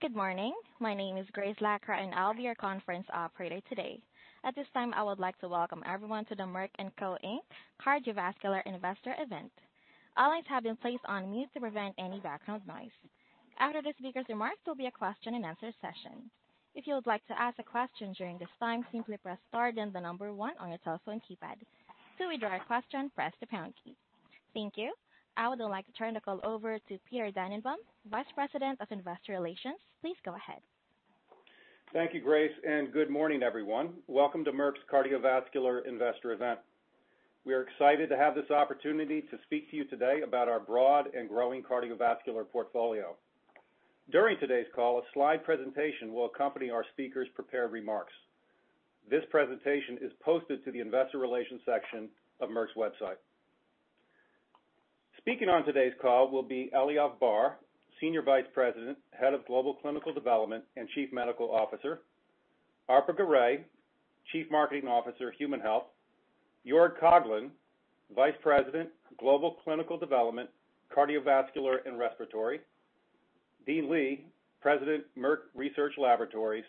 Good morning. My name is Grace Lacra, and I'll be your conference operator today. At this time, I would like to welcome everyone to the Merck & Co., Inc. Cardiovascular Investor event. All lines have been placed on mute to prevent any background noise. After the speaker's remarks, there'll be a question and answer session. If you would like to ask a question during this time, simply press star then the number one on your telephone keypad. To withdraw your question, press the pound key. Thank you. I would like to turn the call over to Peter Dannenbaum, Vice President of Investor Relations. Please go ahead. Thank you, Grace, and good morning, everyone. Welcome to Merck's Cardiovascular Investor event. We are excited to have this opportunity to speak to you today about our broad and growing cardiovascular portfolio. During today's call, a slide presentation will accompany our speakers' prepared remarks. This presentation is posted to the investor relations section of Merck's website. Speaking on today's call will be Eliav Barr, Senior Vice President, Head of Global Clinical Development and Chief Medical Officer, Arpa Garay, Chief Marketing Officer, Human Health, Joerg Koglin, Vice President, Global Clinical Development, Cardiovascular and Respiratory, Dean Li, President, Merck Research Laboratories,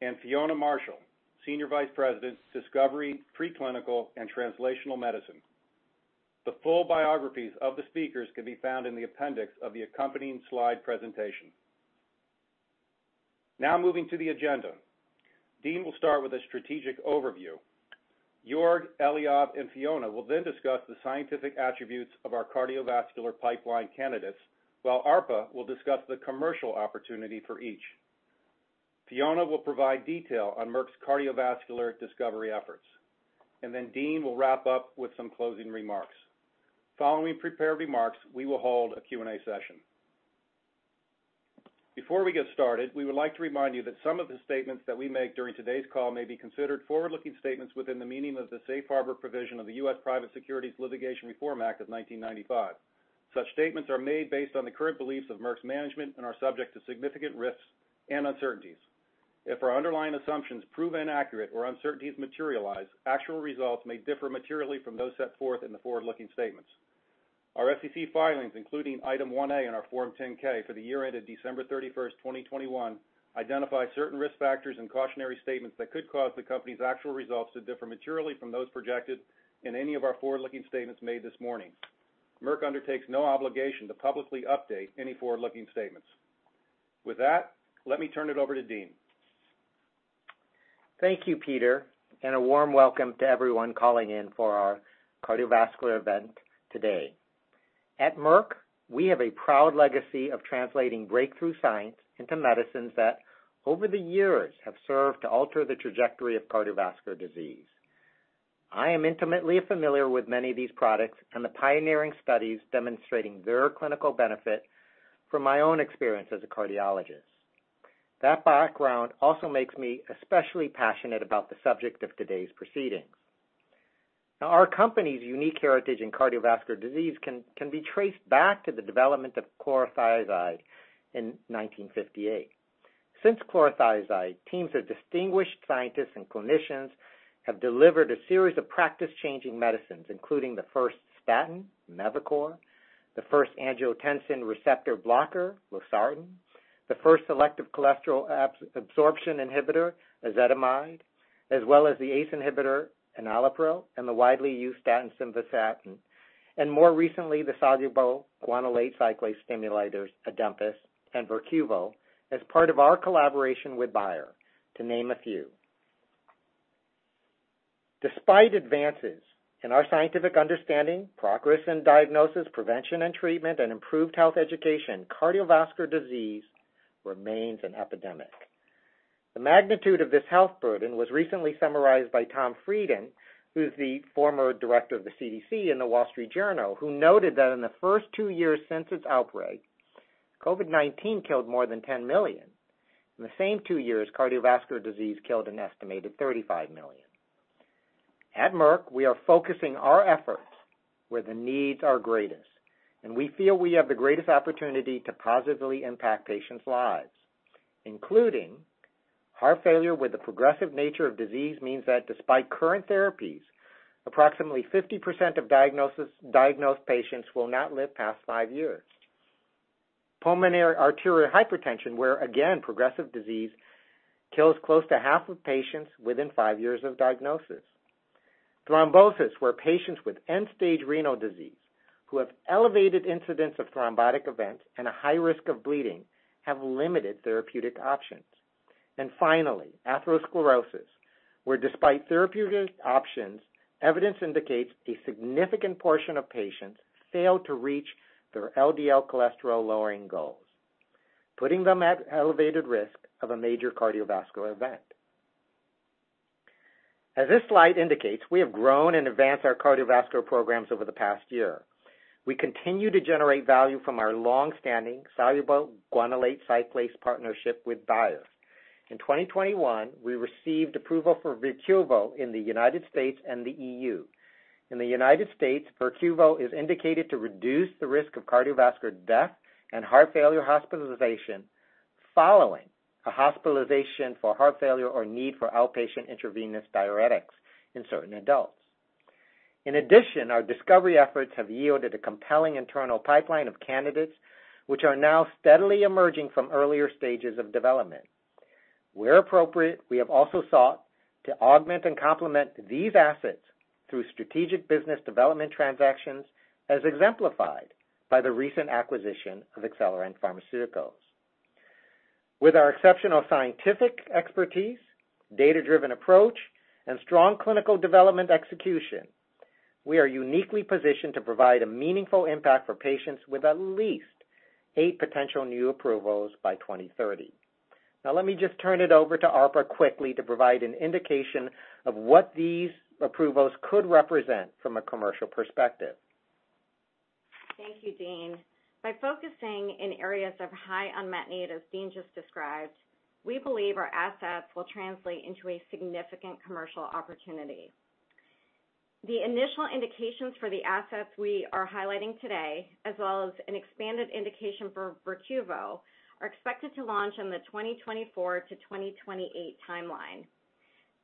and Fiona Marshall, Senior Vice President, Discovery, Preclinical and Translational Medicine. The full biographies of the speakers can be found in the appendix of the accompanying slide presentation. Now moving to the agenda. Dean will start with a strategic overview. Joerg, Eliav, and Fiona will then discuss the scientific attributes of our cardiovascular pipeline candidates, while Arpa will discuss the commercial opportunity for each. Fiona will provide detail on Merck's cardiovascular discovery efforts, and then Dean will wrap up with some closing remarks. Following prepared remarks, we will hold a Q&A session. Before we get started, we would like to remind you that some of the statements that we make during today's call may be considered forward-looking statements within the meaning of the Safe Harbor provision of the U.S. Private Securities Litigation Reform Act of 1995. Such statements are made based on the current beliefs of Merck's management and are subject to significant risks and uncertainties. If our underlying assumptions prove inaccurate or uncertainties materialize, actual results may differ materially from those set forth in the forward-looking statements. Our SEC filings, including Item 1A in our Form 10-K for the year ended December 31, 2021, identify certain risk factors and cautionary statements that could cause the company's actual results to differ materially from those projected in any of our forward-looking statements made this morning. Merck undertakes no obligation to publicly update any forward-looking statements. With that, let me turn it over to Dean. Thank you, Peter, and a warm welcome to everyone calling in for our cardiovascular event today. At Merck, we have a proud legacy of translating breakthrough science into medicines that, over the years, have served to alter the trajectory of cardiovascular disease. I am intimately familiar with many of these products and the pioneering studies demonstrating their clinical benefit from my own experience as a cardiologist. That background also makes me especially passionate about the subject of today's proceedings. Now, our company's unique heritage in cardiovascular disease can be traced back to the development of chlorothiazide in 1958. Since chlorothiazide, teams of distinguished scientists and clinicians have delivered a series of practice-changing medicines, including the first statin, Mevacor, the first angiotensin receptor blocker, losartan, the first selective cholesterol absorption inhibitor, ezetimibe, as well as the ACE inhibitor, enalapril, and the widely used statin, simvastatin. More recently, the soluble guanylate cyclase stimulators, ADEMPAS and VERQUVO, as part of our collaboration with Bayer, to name a few. Despite advances in our scientific understanding, progress in diagnosis, prevention and treatment, and improved health education, cardiovascular disease remains an epidemic. The magnitude of this health burden was recently summarized by Tom Frieden, who's the former director of the CDC in The Wall Street Journal, who noted that in the first two years since its outbreak, COVID-19 killed more than 10 million. In the same two years, cardiovascular disease killed an estimated 35 million. At Merck, we are focusing our efforts where the needs are greatest, and we feel we have the greatest opportunity to positively impact patients' lives, including heart failure, where the progressive nature of disease means that despite current therapies, approximately 50% of diagnosed patients will not live past five years. Pulmonary arterial hypertension, where again, progressive disease kills close to half of patients within five years of diagnosis. Thrombosis, where patients with end-stage renal disease who have elevated incidence of thrombotic events and a high risk of bleeding have limited therapeutic options. Finally, atherosclerosis, where despite therapeutic options, evidence indicates a significant portion of patients fail to reach their LDL cholesterol-lowering goals, putting them at elevated risk of a major cardiovascular event. As this slide indicates, we have grown and advanced our cardiovascular programs over the past year. We continue to generate value from our long-standing soluble guanylate cyclase partnership with Bayer. In 2021, we received approval for VERQUVO in the United States and the EU. In the United States, VERQUVO is indicated to reduce the risk of cardiovascular death and heart failure hospitalization following a hospitalization for heart failure or need for outpatient intravenous diuretics in certain adults. In addition, our discovery efforts have yielded a compelling internal pipeline of candidates, which are now steadily emerging from earlier stages of development. Where appropriate, we have also sought to augment and complement these assets through strategic business development transactions, as exemplified by the recent acquisition of Acceleron Pharma. With our exceptional scientific expertise, data-driven approach, and strong clinical development execution, we are uniquely positioned to provide a meaningful impact for patients with at least eight potential new approvals by 2030. Now, let me just turn it over to Arpa quickly to provide an indication of what these approvals could represent from a commercial perspective. Thank you, Dean. By focusing in areas of high unmet need, as Dean just described, we believe our assets will translate into a significant commercial opportunity. The initial indications for the assets we are highlighting today, as well as an expanded indication for VERQUVO, are expected to launch in the 2024-2028 timeline.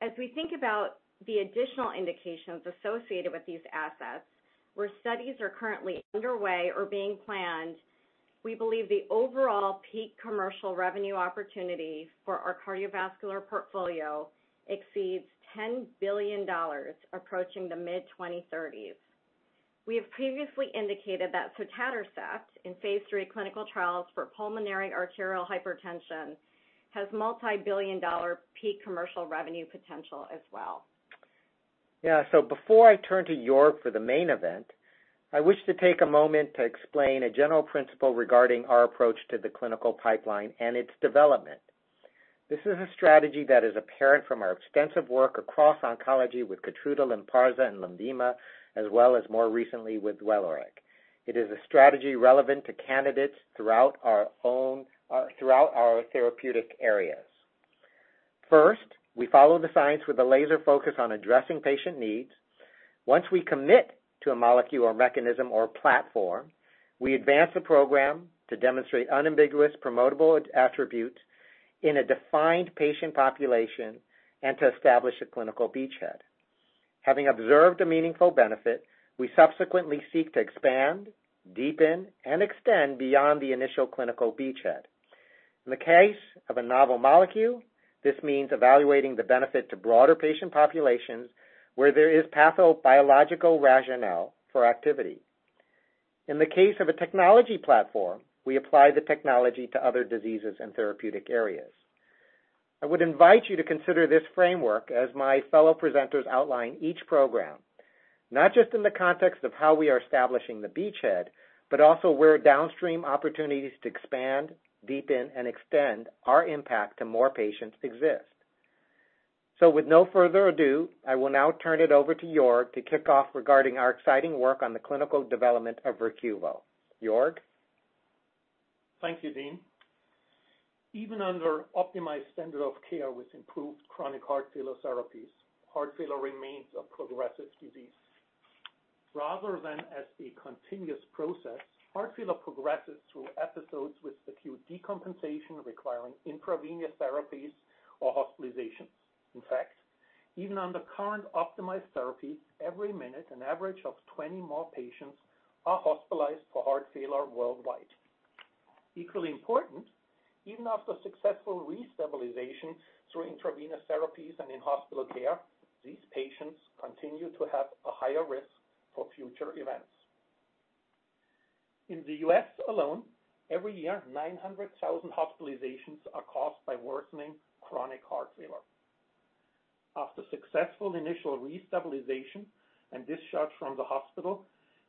As we think about the additional indications associated with these assets, where studies are currently underway or being planned, we believe the overall peak commercial revenue opportunity for our cardiovascular portfolio exceeds $10 billion, approaching the mid-2030s. We have previously indicated that Sotatercept in phase III clinical trials for pulmonary arterial hypertension has multi-billion-dollar peak commercial revenue potential as well. Yeah. Before I turn to Joerg for the main event, I wish to take a moment to explain a general principle regarding our approach to the clinical pipeline and its development. This is a strategy that is apparent from our extensive work across oncology with Keytruda, Lynparza, and LENVIMA, as well as more recently with WELIREG. It is a strategy relevant to candidates throughout our own, throughout our therapeutic areas. First, we follow the science with a laser focus on addressing patient needs. Once we commit to a molecule or mechanism or platform, we advance the program to demonstrate unambiguous promotable attributes in a defined patient population and to establish a clinical beachhead. Having observed a meaningful benefit, we subsequently seek to expand, deepen, and extend beyond the initial clinical beachhead. In the case of a novel molecule, this means evaluating the benefit to broader patient populations where there is pathobiological rationale for activity. In the case of a technology platform, we apply the technology to other diseases and therapeutic areas. I would invite you to consider this framework as my fellow presenters outline each program, not just in the context of how we are establishing the beachhead, but also where downstream opportunities to expand, deepen, and extend our impact to more patients exist. With no further ado, I will now turn it over to Joerg to kick off regarding our exciting work on the clinical development of VERQUVO. Joerg? Thank you, Dean. Even under optimized standard of care with improved chronic heart failure therapies, heart failure remains a progressive disease. Rather than as a continuous process, heart failure progresses through episodes with acute decompensation requiring intravenous therapies or hospitalizations. In fact, even under current optimized therapies, every minute, an average of 20 more patients are hospitalized for heart failure worldwide. Equally important, even after successful re-stabilization through intravenous therapies and in-hospital care, these patients continue to have a higher risk for future events. In the U.S. alone, every year, 900,000 hospitalizations are caused by worsening chronic heart failure. After successful initial re-stabilization and discharge from the hospital,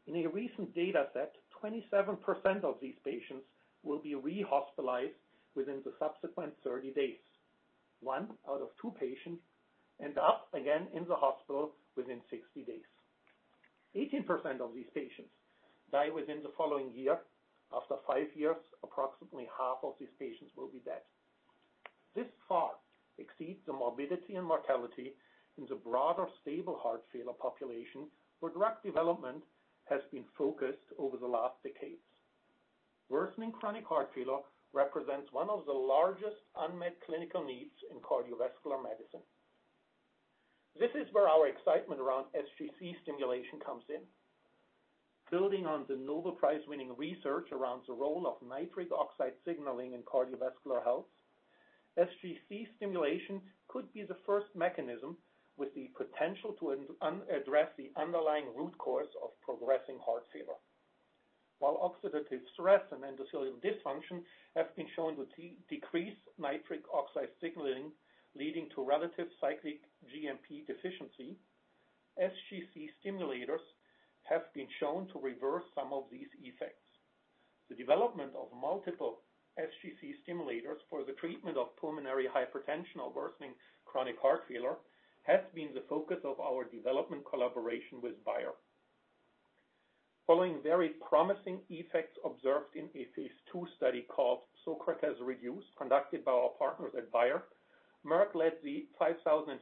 in a recent data set, 27% of these patients will be re-hospitalized within the subsequent 30 days. One out of two patients end up again in the hospital within 60 days. 18% of these patients die within the following year. After five years, approximately half of these patients will be dead. This far exceeds the morbidity and mortality in the broader stable heart failure population, where drug development has been focused over the last decades. Worsening chronic heart failure represents one of the largest unmet clinical needs in cardiovascular medicine. This is where our excitement around SGC stimulation comes in. Building on the Nobel Prize-winning research around the role of nitric oxide signaling in cardiovascular health, SGC stimulation could be the first mechanism with the potential to address the underlying root cause of progressing heart failure. While oxidative stress and endothelial dysfunction have been shown to decrease nitric oxide signaling, leading to relative cyclic GMP deficiency, SGC stimulators have been shown to reverse some of these effects. The development of multiple SGC stimulators for the treatment of pulmonary hypertension or worsening chronic heart failure has been the focus of our development collaboration with Bayer. Following very promising effects observed in a phase II study called SOCRATES-REDUCED, conducted by our partners at Bayer, Merck led the 5,050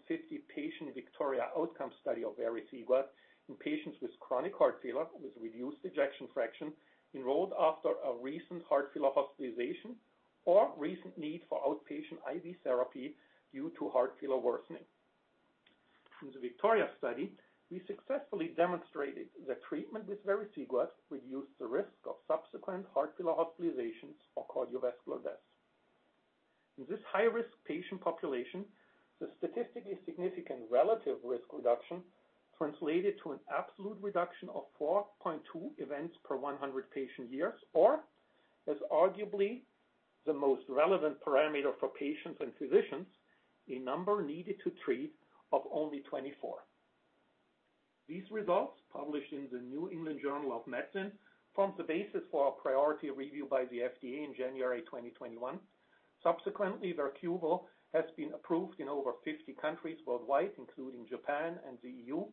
patient VICTORIA outcome study of vericiguat in patients with chronic heart failure with reduced ejection fraction enrolled after a recent heart failure hospitalization or recent need for outpatient IV therapy due to heart failure worsening. In the VICTORIA study, we successfully demonstrated that treatment with vericiguat reduced the risk of subsequent heart failure hospitalizations or cardiovascular death. In this high-risk patient population, the statistically significant relative risk reduction translated to an absolute reduction of 4.2 events per 100 patient years, or as arguably the most relevant parameter for patients and physicians, a number needed to treat of only 24. These results, published in the New England Journal of Medicine, forms the basis for our priority review by the FDA in January 2021. Subsequently, VERQUVO has been approved in over 50 countries worldwide, including Japan and the EU,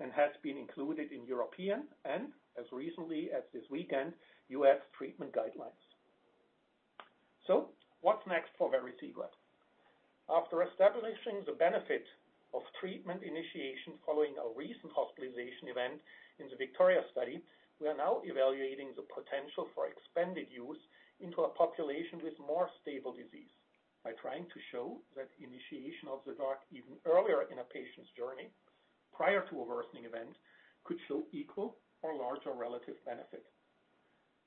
and has been included in European and, as recently as this weekend, U.S. treatment guidelines. What's next for vericiguat? After establishing the benefit of treatment initiation following a recent hospitalization event in the VICTORIA study, we are now evaluating the potential for expanded use into a population with more stable disease by trying to show that initiation of the drug even earlier in a patient's journey, prior to a worsening event, could show equal or larger relative benefit.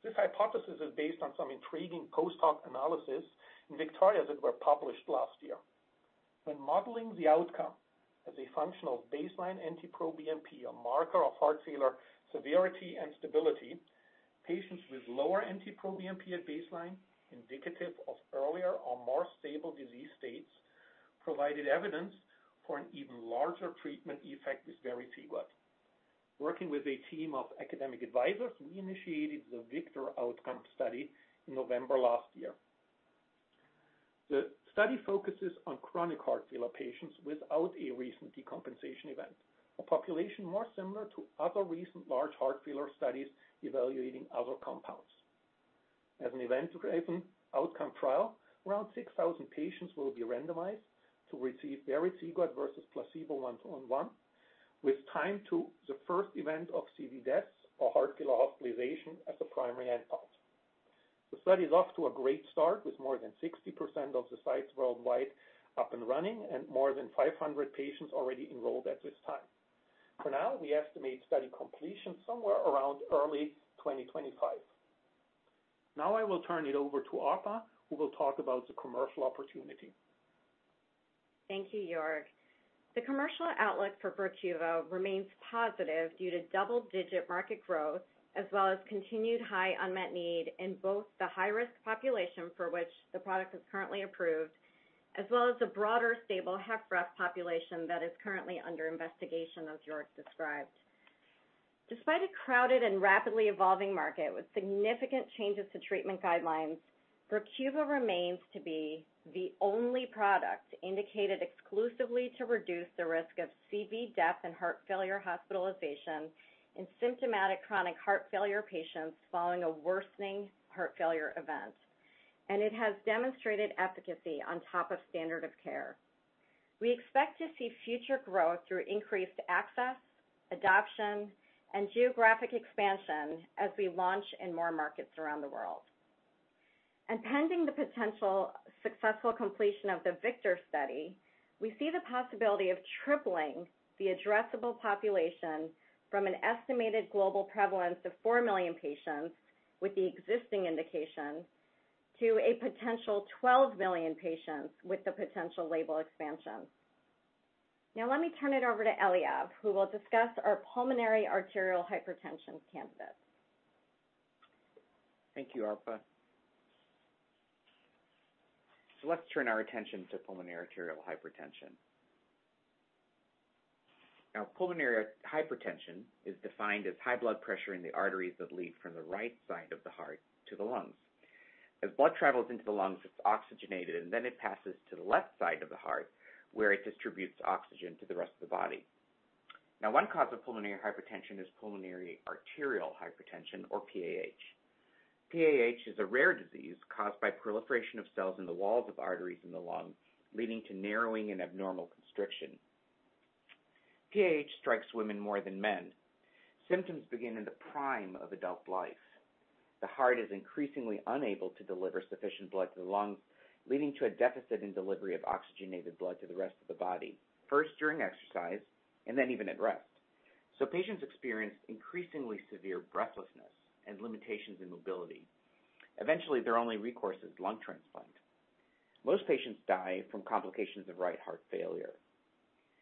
This hypothesis is based on some intriguing post-hoc analysis in VICTORIA that were published last year. When modeling the outcome as a function of baseline NT-proBNP, a marker of heart failure severity and stability, patients with lower NT-proBNP at baseline, indicative of earlier or more stable disease states, provided evidence for an even larger treatment effect with vericiguat. Working with a team of academic advisors, we initiated the VICTOR outcome study in November last year. The study focuses on chronic heart failure patients without a recent decompensation event, a population more similar to other recent large heart failure studies evaluating other compounds. As an event-driven outcome trial, around 6,000 patients will be randomized to receive vericiguat versus placebo 1:1, with time to the first event of CV deaths or heart failure hospitalization as the primary endpoint. The study is off to a great start, with more than 60% of the sites worldwide up and running and more than 500 patients already enrolled at this time. For now, we estimate study completion somewhere around early 2025. Now I will turn it over to Arpa, who will talk about the commercial opportunity. Thank you, Joerg. The commercial outlook for VERQUVO remains positive due to double-digit market growth as well as continued high unmet need in both the high-risk population for which the product is currently approved, as well as the broader stable HFrEF population that is currently under investigation, as Joerg described. Despite a crowded and rapidly evolving market with significant changes to treatment guidelines, VERQUVO remains to be the only product indicated exclusively to reduce the risk of CV death and heart failure hospitalization in symptomatic chronic heart failure patients following a worsening heart failure event. It has demonstrated efficacy on top of standard of care. We expect to see future growth through increased access, adoption, and geographic expansion as we launch in more markets around the world. Pending the potential successful completion of the VICTORIA study, we see the possibility of tripling the addressable population from an estimated global prevalence of 4 million patients with the existing indication to a potential 12 million patients with the potential label expansion. Now let me turn it over to Eliav, who will discuss our pulmonary arterial hypertension candidates. Thank you, Arpa. Let's turn our attention to pulmonary arterial hypertension. Now, pulmonary hypertension is defined as high blood pressure in the arteries that lead from the right side of the heart to the lungs. As blood travels into the lungs, it's oxygenated, and then it passes to the left side of the heart, where it distributes oxygen to the rest of the body. Now, one cause of pulmonary hypertension is pulmonary arterial hypertension, or PAH. PAH is a rare disease caused by proliferation of cells in the walls of arteries in the lung, leading to narrowing and abnormal constriction. PAH strikes women more than men. Symptoms begin in the prime of adult life. The heart is increasingly unable to deliver sufficient blood to the lungs, leading to a deficit in delivery of oxygenated blood to the rest of the body, first during exercise and then even at rest. Patients experience increasingly severe breathlessness and limitations in mobility. Eventually, their only recourse is lung transplant. Most patients die from complications of right heart failure.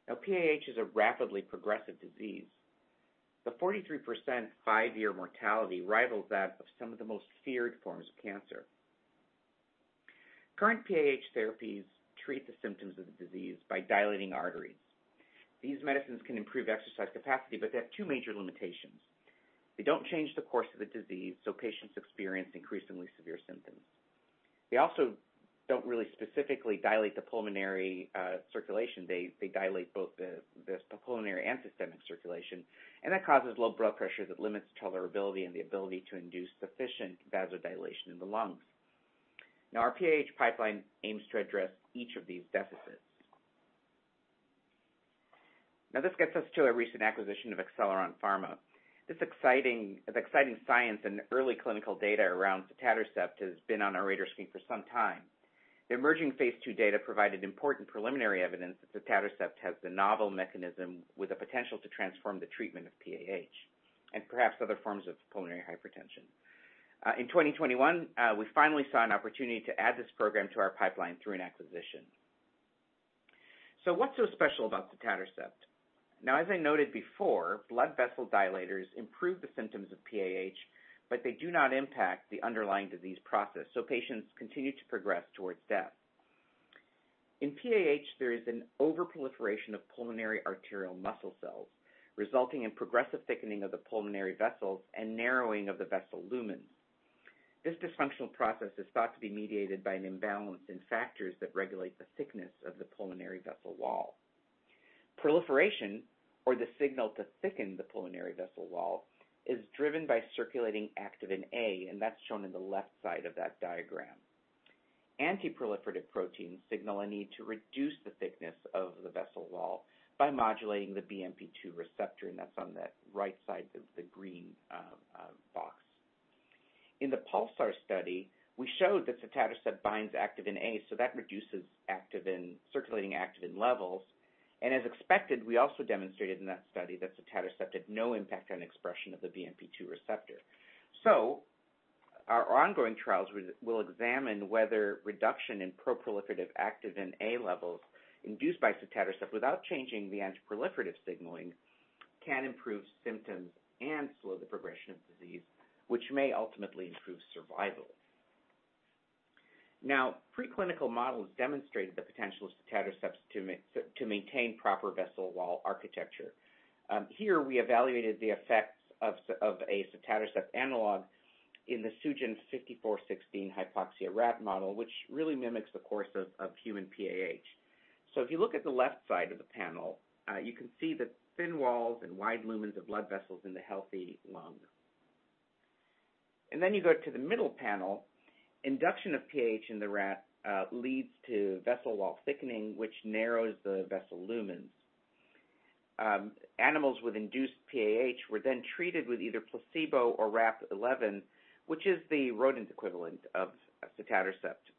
Now, PAH is a rapidly progressive disease. The 43% five-year mortality rivals that of some of the most feared forms of cancer. Current PAH therapies treat the symptoms of the disease by dilating arteries. These medicines can improve exercise capacity, but they have two major limitations. They don't change the course of the disease, so patients experience increasingly severe symptoms. They also don't really specifically dilate the pulmonary circulation. They dilate both the pulmonary and systemic circulation, and that causes low blood pressure that limits tolerability and the ability to induce sufficient vasodilation in the lungs. Now, our PAH pipeline aims to address each of these deficits. Now this gets us to a recent acquisition of Acceleron Pharma. The exciting science and early clinical data around Sotatercept has been on our radar screen for some time. The emerging phase II data provided important preliminary evidence that Sotatercept has the novel mechanism with the potential to transform the treatment of PAH and perhaps other forms of pulmonary hypertension. In 2021, we finally saw an opportunity to add this program to our pipeline through an acquisition. What's so special about Sotatercept? Now, as I noted before, blood vessel dilators improve the symptoms of PAH, but they do not impact the underlying disease process, so patients continue to progress towards death. In PAH, there is an overproliferation of pulmonary arterial muscle cells, resulting in progressive thickening of the pulmonary vessels and narrowing of the vessel lumens. This dysfunctional process is thought to be mediated by an imbalance in factors that regulate the thickness of the pulmonary vessel wall. Proliferation, or the signal to thicken the pulmonary vessel wall, is driven by circulating Activin A, and that's shown in the left side of that diagram. Antiproliferative proteins signal a need to reduce the thickness of the vessel wall by modulating the BMP2 receptor, and that's on the right side of the green box. In the PULSAR study, we showed that Sotatercept binds Activin A, so that reduces circulating activin levels. As expected, we also demonstrated in that study that Sotatercept had no impact on expression of the BMP2 receptor. Our ongoing trials will examine whether reduction in pro-proliferative Activin A levels induced by Sotatercept without changing the anti-proliferative signaling can improve symptoms and slow the progression of disease, which may ultimately improve survival. Now, preclinical models demonstrated the potential of Sotatercept to maintain proper vessel wall architecture. Here we evaluated the effects of a Sotatercept analog in the Sugen 5416 hypoxia rat model, which really mimics the course of human PAH. If you look at the left side of the panel, you can see the thin walls and wide lumens of blood vessels in the healthy lung. You go to the middle panel. Induction of PAH in the rat leads to vessel wall thickening, which narrows the vessel lumens. Animals with induced PAH were then treated with either placebo or RAP-011, which is the rodent equivalent of Sotatercept.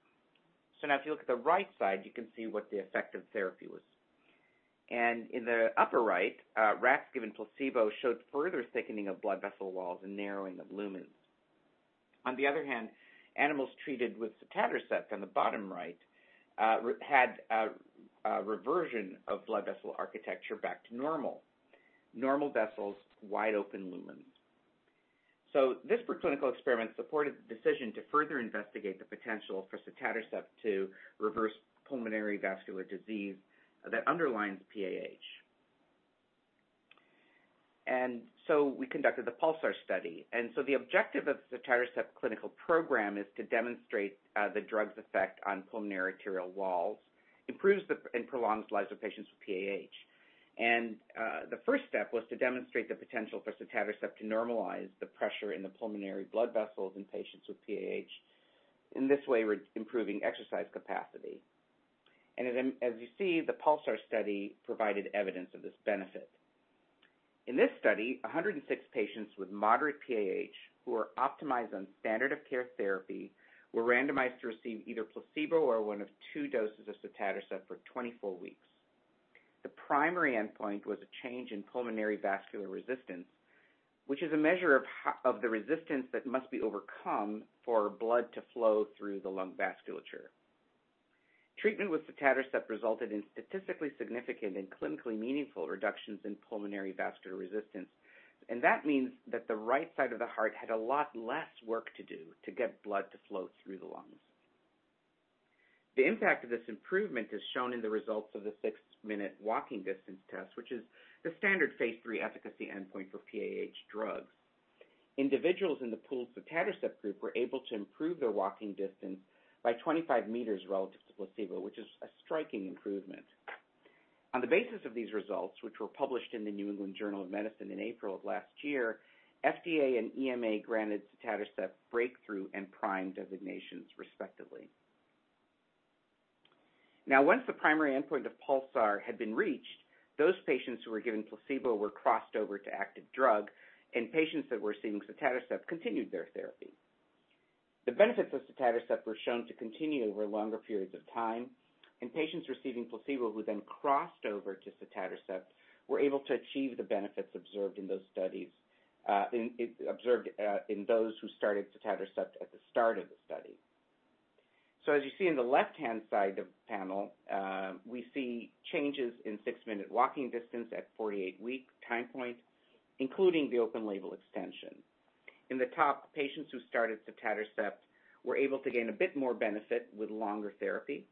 Now if you look at the right side, you can see what the effect of therapy was. In the upper right, rats given placebo showed further thickening of blood vessel walls and narrowing of lumens. On the other hand, animals treated with Sotatercept on the bottom right had a reversion of blood vessel architecture back to normal. Normal vessels, wide-open lumens. This preclinical experiment supported the decision to further investigate the potential for Sotatercept to reverse pulmonary vascular disease that underlies PAH. We conducted the PULSAR study. The objective of the Sotatercept clinical program is to demonstrate the drug's effect on pulmonary arterial walls, improves the, and prolongs the lives of patients with PAH. The first step was to demonstrate the potential for Sotatercept to normalize the pressure in the pulmonary blood vessels in patients with PAH. In this way, we're improving exercise capacity. As you see, the PULSAR study provided evidence of this benefit. In this study, 106 patients with moderate PAH who are optimized on standard of care therapy were randomized to receive either placebo or one of two doses of Sotatercept for 24 weeks. The primary endpoint was a change in pulmonary vascular resistance, which is a measure of the resistance that must be overcome for blood to flow through the lung vasculature. Treatment with Sotatercept resulted in statistically significant and clinically meaningful reductions in pulmonary vascular resistance, and that means that the right side of the heart had a lot less work to do to get blood to flow through the lungs. The impact of this improvement is shown in the results of the six-minute walking distance test, which is the standard phase III efficacy endpoint for PAH drugs. Individuals in the pooled Sotatercept group were able to improve their walking distance by 25 meters relative to placebo, which is a striking improvement. On the basis of these results, which were published in the New England Journal of Medicine in April of last year, FDA and EMA granted Sotatercept breakthrough and prime designations, respectively. Now, once the primary endpoint of PULSAR had been reached, those patients who were given placebo were crossed over to active drug, and patients that were seeing Sotatercept continued their therapy. The benefits of Sotatercept were shown to continue over longer periods of time, and patients receiving placebo who then crossed over to Sotatercept were able to achieve the benefits observed in those studies in those who started Sotatercept at the start of the study. As you see in the left-hand side of the panel, we see changes in six-minute walking distance at 48-week time points, including the open-label extension. In the top, patients who started Sotatercept were able to gain a bit more benefit with longer therapy,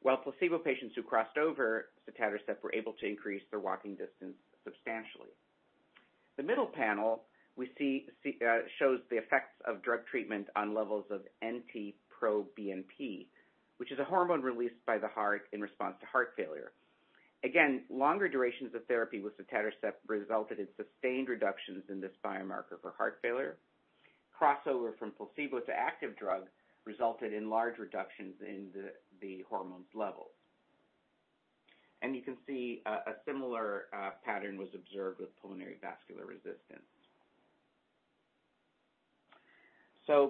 while placebo patients who crossed over to Sotatercept were able to increase their walking distance substantially. The middle panel we see shows the effects of drug treatment on levels of NT-proBNP, which is a hormone released by the heart in response to heart failure. Again, longer durations of therapy with Sotatercept resulted in sustained reductions in this biomarker for heart failure. Crossover from placebo to active drug resulted in large reductions in the hormone levels. You can see a similar pattern was observed with pulmonary vascular resistance.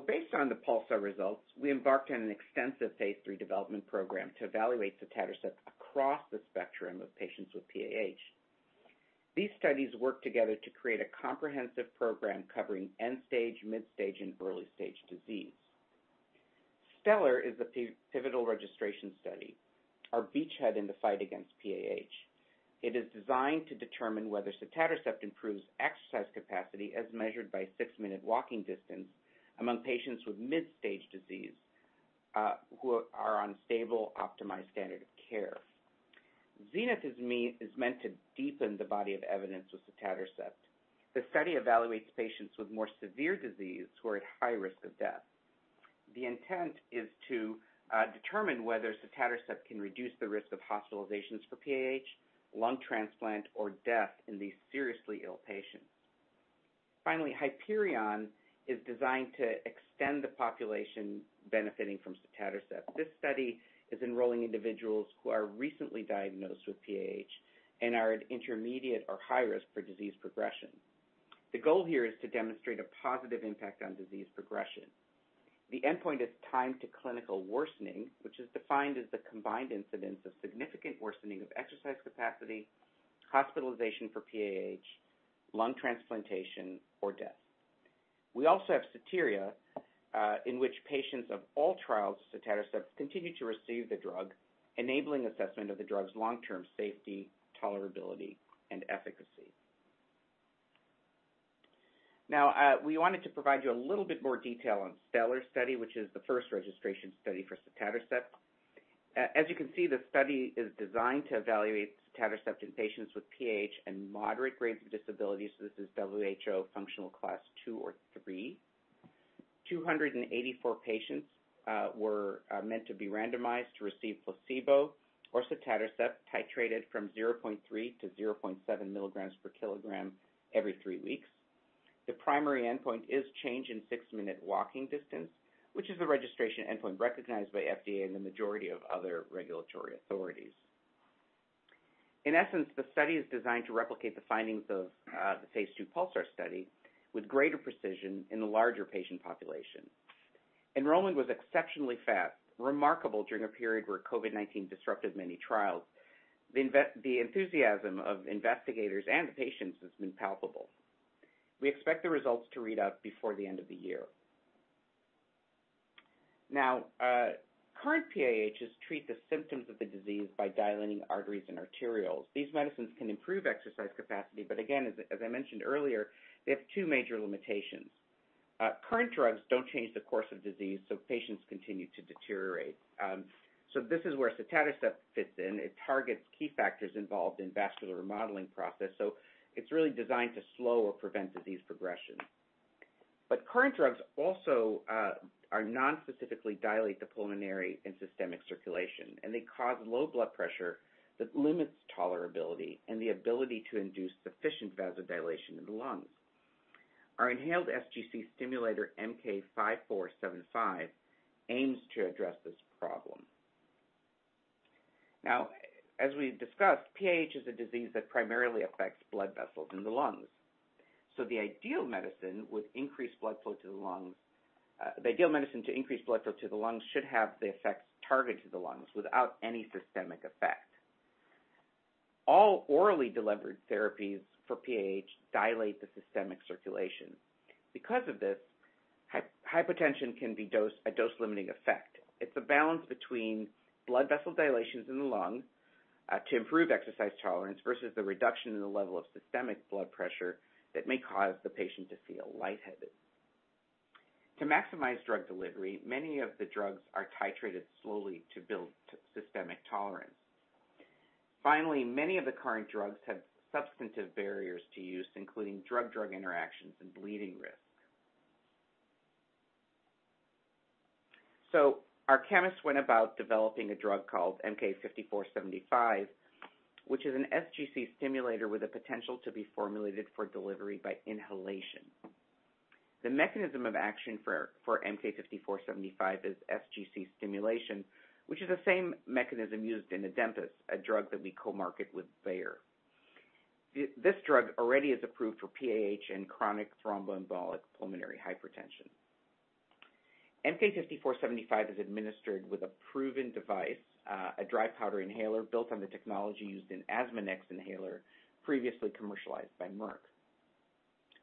Based on the PULSAR results, we embarked on an extensive phase III development program to evaluate Sotatercept across the spectrum of patients with PAH. These studies work together to create a comprehensive program covering end-stage, mid-stage, and early-stage disease. STELLAR is the pivotal registration study, our beachhead in the fight against PAH. It is designed to determine whether Sotatercept improves exercise capacity as measured by 6-minute walking distance among patients with mid-stage disease, who are on stable, optimized standard of care. ZENITH is meant to deepen the body of evidence with Sotatercept. The study evaluates patients with more severe disease who are at high risk of death. The intent is to determine whether Sotatercept can reduce the risk of hospitalizations for PAH, lung transplant, or death in these seriously ill patients. Finally, HYPERION is designed to extend the population benefiting from Sotatercept. This study is enrolling individuals who are recently diagnosed with PAH and are at intermediate or high risk for disease progression. The goal here is to demonstrate a positive impact on disease progression. The endpoint is time to clinical worsening, which is defined as the combined incidence of significant worsening of exercise capacity, hospitalization for PAH, lung transplantation, or death. We also have SOTERIA, in which patients of all trials of Sotatercept continue to receive the drug, enabling assessment of the drug's long-term safety, tolerability, and efficacy. Now, we wanted to provide you a little bit more detail on STELLAR study, which is the first registration study for Sotatercept. As you can see, the study is designed to evaluate Sotatercept in patients with PAH and moderate grades of disabilities. This is WHO functional Class two or three. 284 patients were meant to be randomized to receive placebo or Sotatercept titrated from 0.3 to 0.7 milligrams per kilogram every three weeks. The primary endpoint is change in six-minute walking distance, which is the registration endpoint recognized by FDA and the majority of other regulatory authorities. In essence, the study is designed to replicate the findings of the phase II PULSAR study with greater precision in the larger patient population. Enrollment was exceptionally fast, remarkable during a period where COVID-19 disrupted many trials. The enthusiasm of investigators and the patients has been palpable. We expect the results to read out before the end of the year. Now, current PAH drugs treat the symptoms of the disease by dilating arteries and arterioles. These medicines can improve exercise capacity, but again, as I mentioned earlier, they have two major limitations. Current drugs don't change the course of disease, so patients continue to deteriorate. This is where Sotatercept fits in. It targets key factors involved in vascular remodeling process, so it's really designed to slow or prevent disease progression. Current drugs also are non-specifically dilate the pulmonary and systemic circulation, and they cause low blood pressure that limits tolerability and the ability to induce sufficient vasodilation in the lungs. Our inhaled SGC stimulator, MK-5475, aims to address this problem. Now, as we've discussed, PAH is a disease that primarily affects blood vessels in the lungs. The ideal medicine would increase blood flow to the lungs. The ideal medicine to increase blood flow to the lungs should have the effects targeted to the lungs without any systemic effect. All orally delivered therapies for PAH dilate the systemic circulation. Because of this, hypotension can be a dose-limiting effect. It's a balance between blood vessel dilations in the lung to improve exercise tolerance versus the reduction in the level of systemic blood pressure that may cause the patient to feel light-headed. To maximize drug delivery, many of the drugs are titrated slowly to build systemic tolerance. Finally, many of the current drugs have substantive barriers to use, including drug-drug interactions and bleeding risk. Our chemists went about developing a drug called MK-5475, which is an SGC stimulator with the potential to be formulated for delivery by inhalation. The mechanism of action for MK-5475 is SGC stimulation, which is the same mechanism used in ADEMPAS, a drug that we co-market with Bayer. This drug already is approved for PAH and chronic thromboembolic pulmonary hypertension. MK-5475 is administered with a proven device, a dry powder inhaler built on the technology used in Asmanex inhaler previously commercialized by Merck.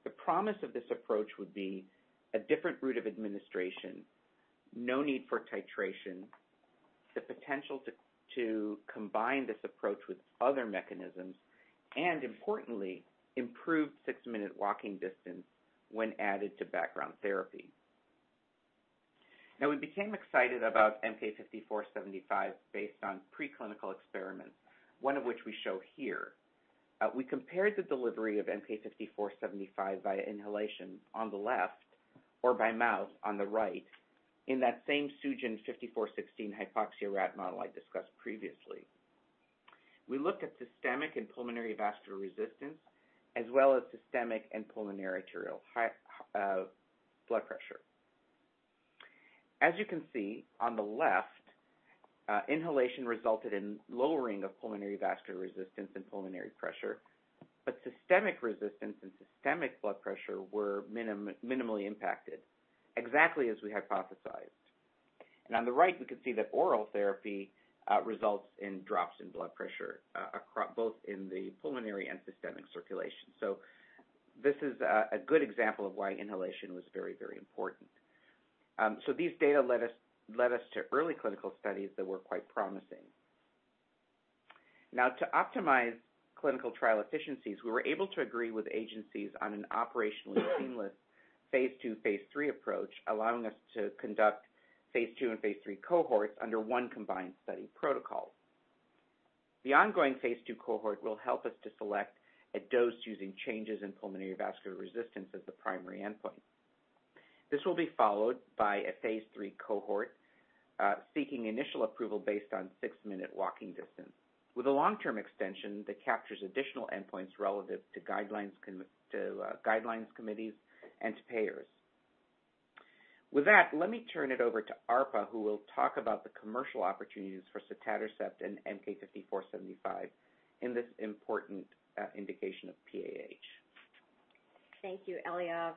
The promise of this approach would be a different route of administration, no need for titration, the potential to combine this approach with other mechanisms, and importantly, improved 6-minute walking distance when added to background therapy. Now, we became excited about MK-5475 based on preclinical experiments, one of which we show here. We compared the delivery of MK-5475 via inhalation on the left or by mouth on the right in that same Sugen 5416 hypoxia rat model I discussed previously. We looked at systemic and pulmonary vascular resistance as well as systemic and pulmonary arterial high blood pressure. As you can see on the left, inhalation resulted in lowering of pulmonary vascular resistance and pulmonary pressure, but systemic resistance and systemic blood pressure were minimally impacted, exactly as we hypothesized. On the right, we can see that oral therapy results in drops in blood pressure both in the pulmonary and systemic circulation. This is a good example of why inhalation was very important. These data led us to early clinical studies that were quite promising. Now, to optimize clinical trial efficiencies, we were able to agree with agencies on an operationally seamless phase II, phase III approach, allowing us to conduct phase II and phase III cohorts under one combined study protocol. The ongoing phase II cohort will help us to select a dose using changes in pulmonary vascular resistance as the primary endpoint. This will be followed by a phase III cohort seeking initial approval based on six-minute walking distance with a long-term extension that captures additional endpoints relative to guidelines committees and to payers. With that, let me turn it over to Arpa, who will talk about the commercial opportunities for Sotatercept and MK-5475 in this important indication of PAH. Thank you, Eliav.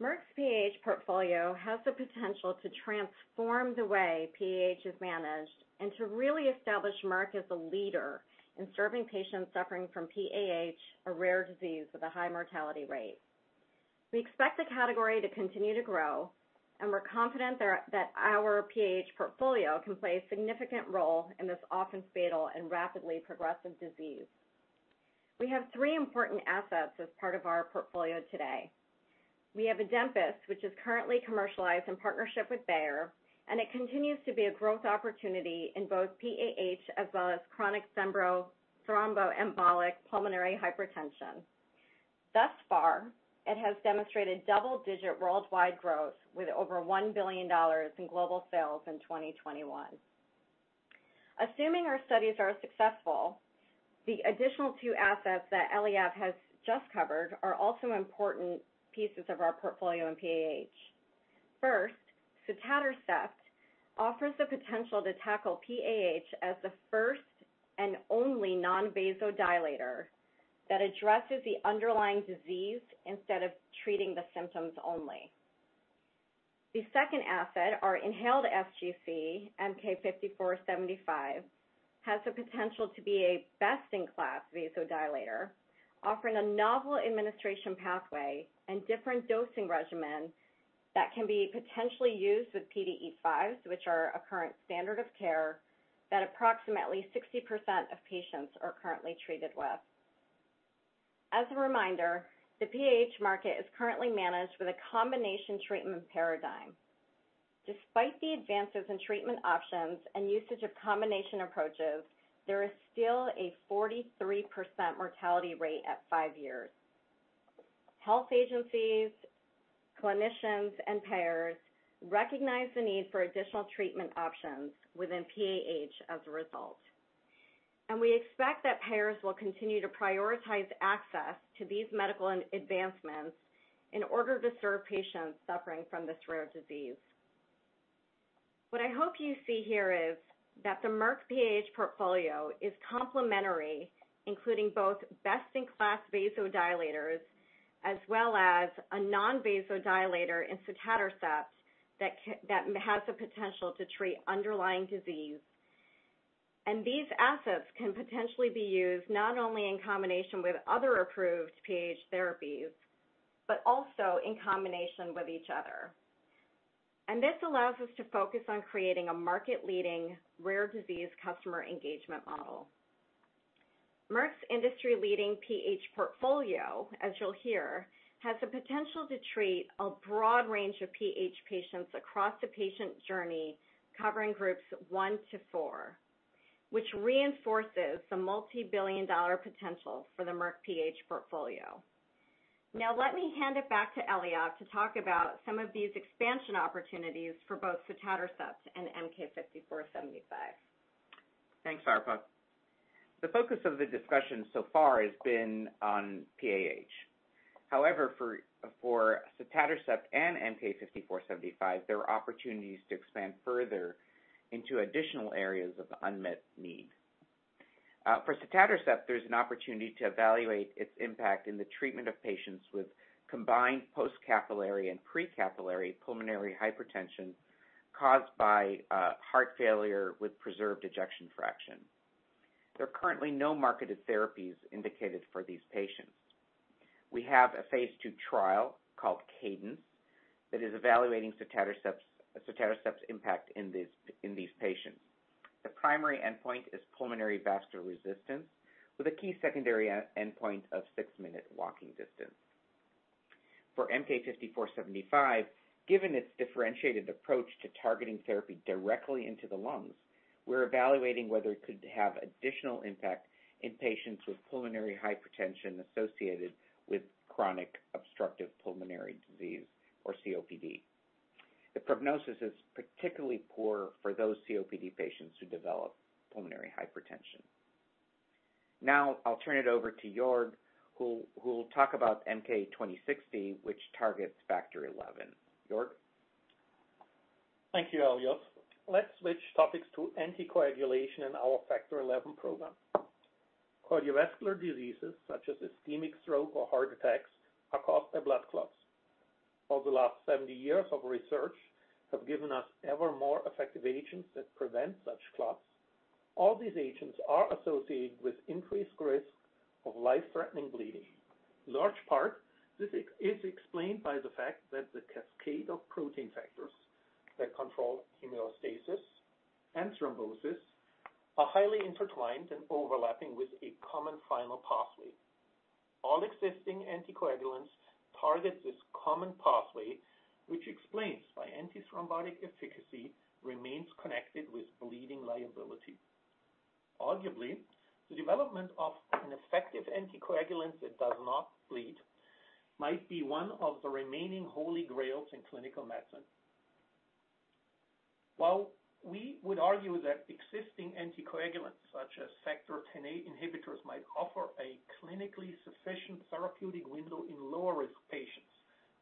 Merck's PAH portfolio has the potential to transform the way PAH is managed and to really establish Merck as a leader in serving patients suffering from PAH, a rare disease with a high mortality rate. We expect the category to continue to grow, and we're confident that our PAH portfolio can play a significant role in this often fatal and rapidly progressive disease. We have three important assets as part of our portfolio today. We have ADEMPAS, which is currently commercialized in partnership with Bayer, and it continues to be a growth opportunity in both PAH as well as chronic thromboembolic pulmonary hypertension. Thus far, it has demonstrated double-digit worldwide growth with over $1 billion in global sales in 2021. Assuming our studies are successful, the additional two assets that Eliav has just covered are also important pieces of our portfolio in PAH. First, Sotatercept offers the potential to tackle PAH as the first and only non-vasodilator that addresses the underlying disease instead of treating the symptoms only. The second asset, our inhaled SGC, MK-5475, has the potential to be a best-in-class vasodilator, offering a novel administration pathway and different dosing regimen that can be potentially used with PDE5s, which are a current standard of care that approximately 60% of patients are currently treated with. As a reminder, the PAH market is currently managed with a combination treatment paradigm. Despite the advances in treatment options and usage of combination approaches, there is still a 43% mortality rate at five years. Health agencies, clinicians, and payers recognize the need for additional treatment options within PAH as a result. We expect that payers will continue to prioritize access to these medical advancements in order to serve patients suffering from this rare disease. What I hope you see here is that the Merck PAH portfolio is complementary, including both best-in-class vasodilators as well as a non-vasodilator in Sotatercept that has the potential to treat underlying disease. These assets can potentially be used not only in combination with other approved PAH therapies, but also in combination with each other. This allows us to focus on creating a market-leading rare disease customer engagement model. Merck's industry-leading PH portfolio, as you'll hear, has the potential to treat a broad range of PH patients across the patient journey covering groups 1-4, which reinforces the multi-billion dollar potential for the Merck PH portfolio. Now let me hand it back to Eliav to talk about some of these expansion opportunities for both Sotatercept and MK-5475. Thanks, Arpa. The focus of the discussion so far has been on PAH. However, for Sotatercept and MK-5475, there are opportunities to expand further into additional areas of unmet need. For Sotatercept, there's an opportunity to evaluate its impact in the treatment of patients with combined post-capillary and pre-capillary pulmonary hypertension caused by heart failure with preserved ejection fraction. There are currently no marketed therapies indicated for these patients. We have a phase II trial called CADENCE that is evaluating Sotatercept's impact in these patients. The primary endpoint is pulmonary vascular resistance with a key secondary endpoint of six-minute walking distance. For MK-5475, given its differentiated approach to targeting therapy directly into the lungs, we're evaluating whether it could have additional impact in patients with pulmonary hypertension associated with chronic obstructive pulmonary disease or COPD. The prognosis is particularly poor for those COPD patients who develop pulmonary hypertension. Now I'll turn it over to Joerg, who will talk about MK-2060, which targets Factor XI. Joerg? Thank you, Eliav. Let's switch topics to anticoagulation in our Factor XI program. Cardiovascular diseases such as ischemic stroke or heart attacks are caused by blood clots. Over the last 70 years of research have given us ever more effective agents that prevent such clots. All these agents are associated with increased risk of life-threatening bleeding. A large part, this is explained by the fact that the cascade of protein factors that control hemostasis and thrombosis are highly intertwined and overlapping with a common final pathway. All existing anticoagulants target this common pathway, which explains why antithrombotic efficacy remains connected with bleeding liability. Arguably, the development of an effective anticoagulant that does not bleed might be one of the remaining holy grails in clinical medicine. While we would argue that existing anticoagulants such as Factor Xa inhibitors might offer a clinically sufficient therapeutic window in lower risk patients,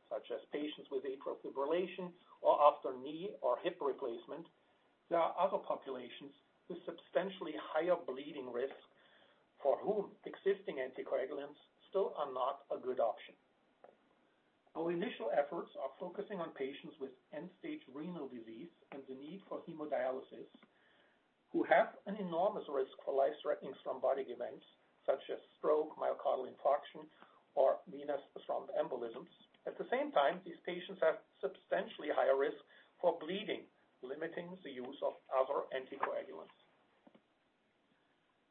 such as patients with atrial fibrillation or after knee or hip replacement, there are other populations with substantially higher bleeding risk for whom existing anticoagulants still are not a good option. Our initial efforts are focusing on patients with end-stage renal disease and the need for hemodialysis, who have an enormous risk for life-threatening thrombotic events such as stroke, myocardial infarction, or venous thromboembolisms. At the same time, these patients have substantially higher risk for bleeding, limiting the use of other anticoagulants.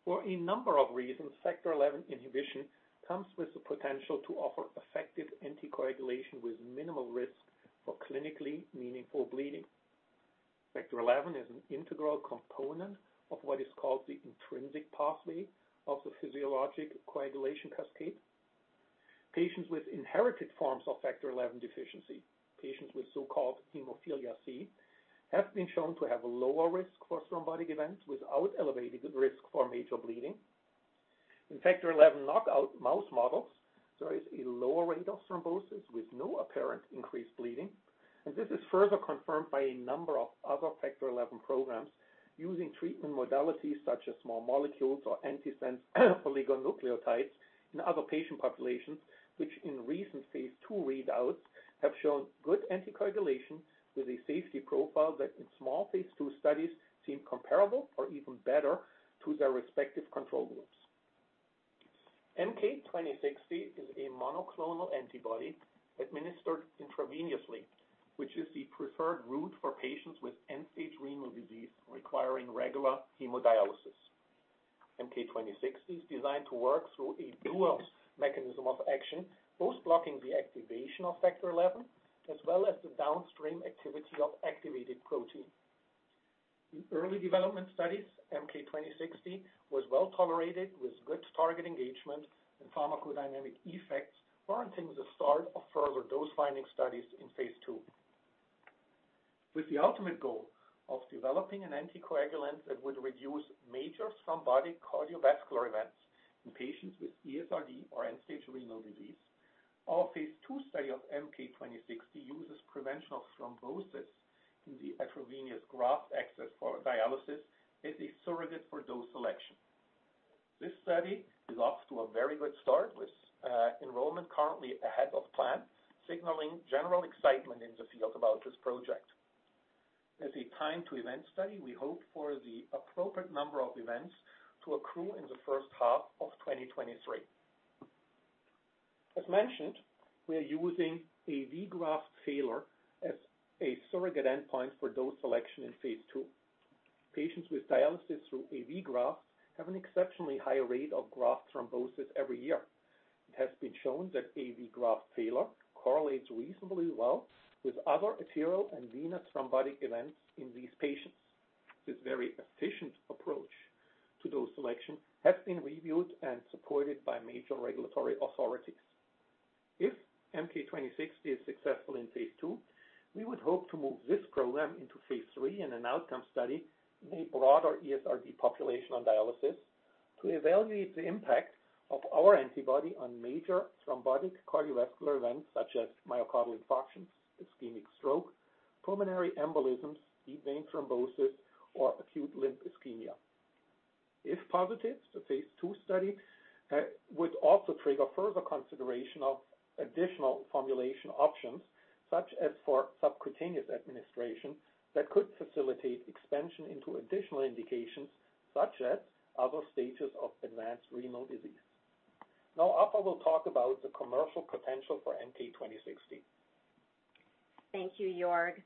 For a number of reasons, Factor XI inhibition comes with the potential to offer effective anticoagulation with minimal risk for clinically meaningful bleeding. Factor XI is an integral component of what is called the intrinsic pathway of the physiologic coagulation cascade. Patients with inherited forms of Factor XI deficiency, patients with so-called hemophilia C, have been shown to have a lower risk for thrombotic events without elevating the risk for major bleeding. In Factor XI knockout mouse models, there is a lower rate of thrombosis with no apparent increased bleeding, and this is further confirmed by a number of other Factor XI programs using treatment modalities such as small molecules or antisense oligonucleotides in other patient populations, which in recent phase II readouts have shown good anticoagulation with a safety profile that in small phase II studies seem comparable or even better to their respective control groups. MK 2060 is a monoclonal antibody administered intravenously, which is the preferred route for patients with end-stage renal disease requiring regular hemodialysis. MK-2060 is designed to work through a dual mechanism of action, both blocking the activation of Factor XI as well as the downstream activity of activated Factor XIa. In early development studies, MK-2060 was well-tolerated with good target engagement and pharmacodynamic effects warranting the start of further dose-finding studies in phase II. With the ultimate goal of developing an anticoagulant that would reduce major thrombotic cardiovascular events in patients with ESRD or end-stage renal disease, our phase II study of MK-2060 uses prevention of thrombosis in the AV graft for dialysis as a surrogate for dose selection. This study is off to a very good start, with enrollment currently ahead of plan, signaling general excitement in the field about this project. As a time to event study, we hope for the appropriate number of events to accrue in the first half of 2023. As mentioned, we are using AV graft failure as a surrogate endpoint for dose selection in phase II. Patients with dialysis through AV grafts have an exceptionally high rate of graft thrombosis every year. It has been shown that AV graft failure correlates reasonably well with other arterial and venous thrombotic events in these patients. This very efficient approach to dose selection has been reviewed and supported by major regulatory authorities. If MK-2060 is successful in phase II, we would hope to move this program into phase III in an outcome study in a broader ESRD population on dialysis to evaluate the impact of our antibody on major thrombotic cardiovascular events such as myocardial infarctions, ischemic stroke, pulmonary embolisms, deep vein thrombosis, or acute limb ischemia. If positive, the phase II study would also trigger further consideration of additional formulation options, such as for subcutaneous administration, that could facilitate expansion into additional indications, such as other stages of advanced renal disease. Now Arpa will talk about the commercial potential for MK-2060. Thank you, Joerg.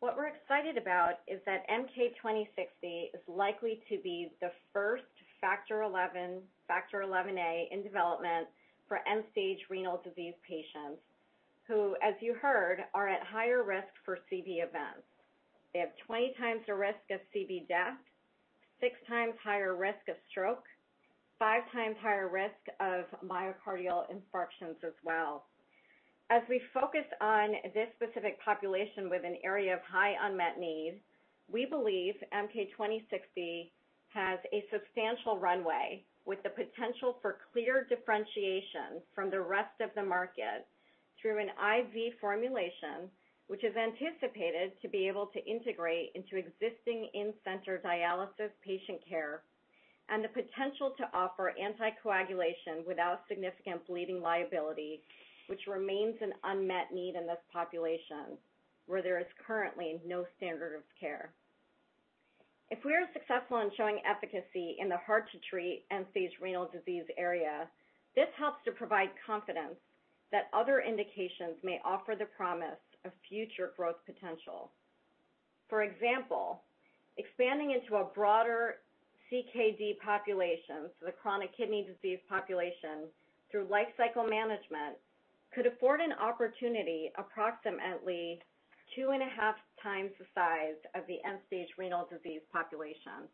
What we're excited about is that MK-2060 is likely to be the first Factor XI, Factor XIa in development for end-stage renal disease patients who, as you heard, are at higher risk for CV events. They have 20 times the risk of CV death, six times higher risk of stroke, five times higher risk of myocardial infarctions as well. As we focus on this specific population with an area of high unmet need, we believe MK-2060 has a substantial runway with the potential for clear differentiation from the rest of the market through an IV formulation, which is anticipated to be able to integrate into existing in-center dialysis patient care and the potential to offer anticoagulation without significant bleeding liability, which remains an unmet need in this population, where there is currently no standard of care. If we are successful in showing efficacy in the hard-to-treat end-stage renal disease area, this helps to provide confidence that other indications may offer the promise of future growth potential. For example, expanding into a broader CKD population, so the chronic kidney disease population, through life cycle management could afford an opportunity approximately two and a half times the size of the end-stage renal disease population.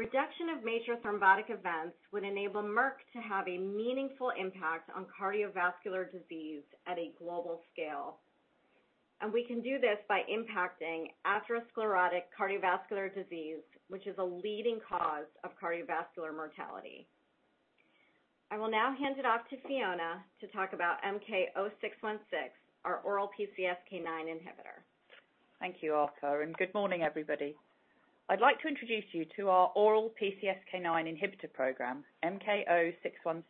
Reduction of major thrombotic events would enable Merck to have a meaningful impact on cardiovascular disease at a global scale. We can do this by impacting atherosclerotic cardiovascular disease, which is a leading cause of cardiovascular mortality. I will now hand it off to Fiona to talk about MK-0616, our oral PCSK9 inhibitor. Thank you, Arpa, and good morning, everybody. I'd like to introduce you to our oral PCSK9 inhibitor program, MK-0616,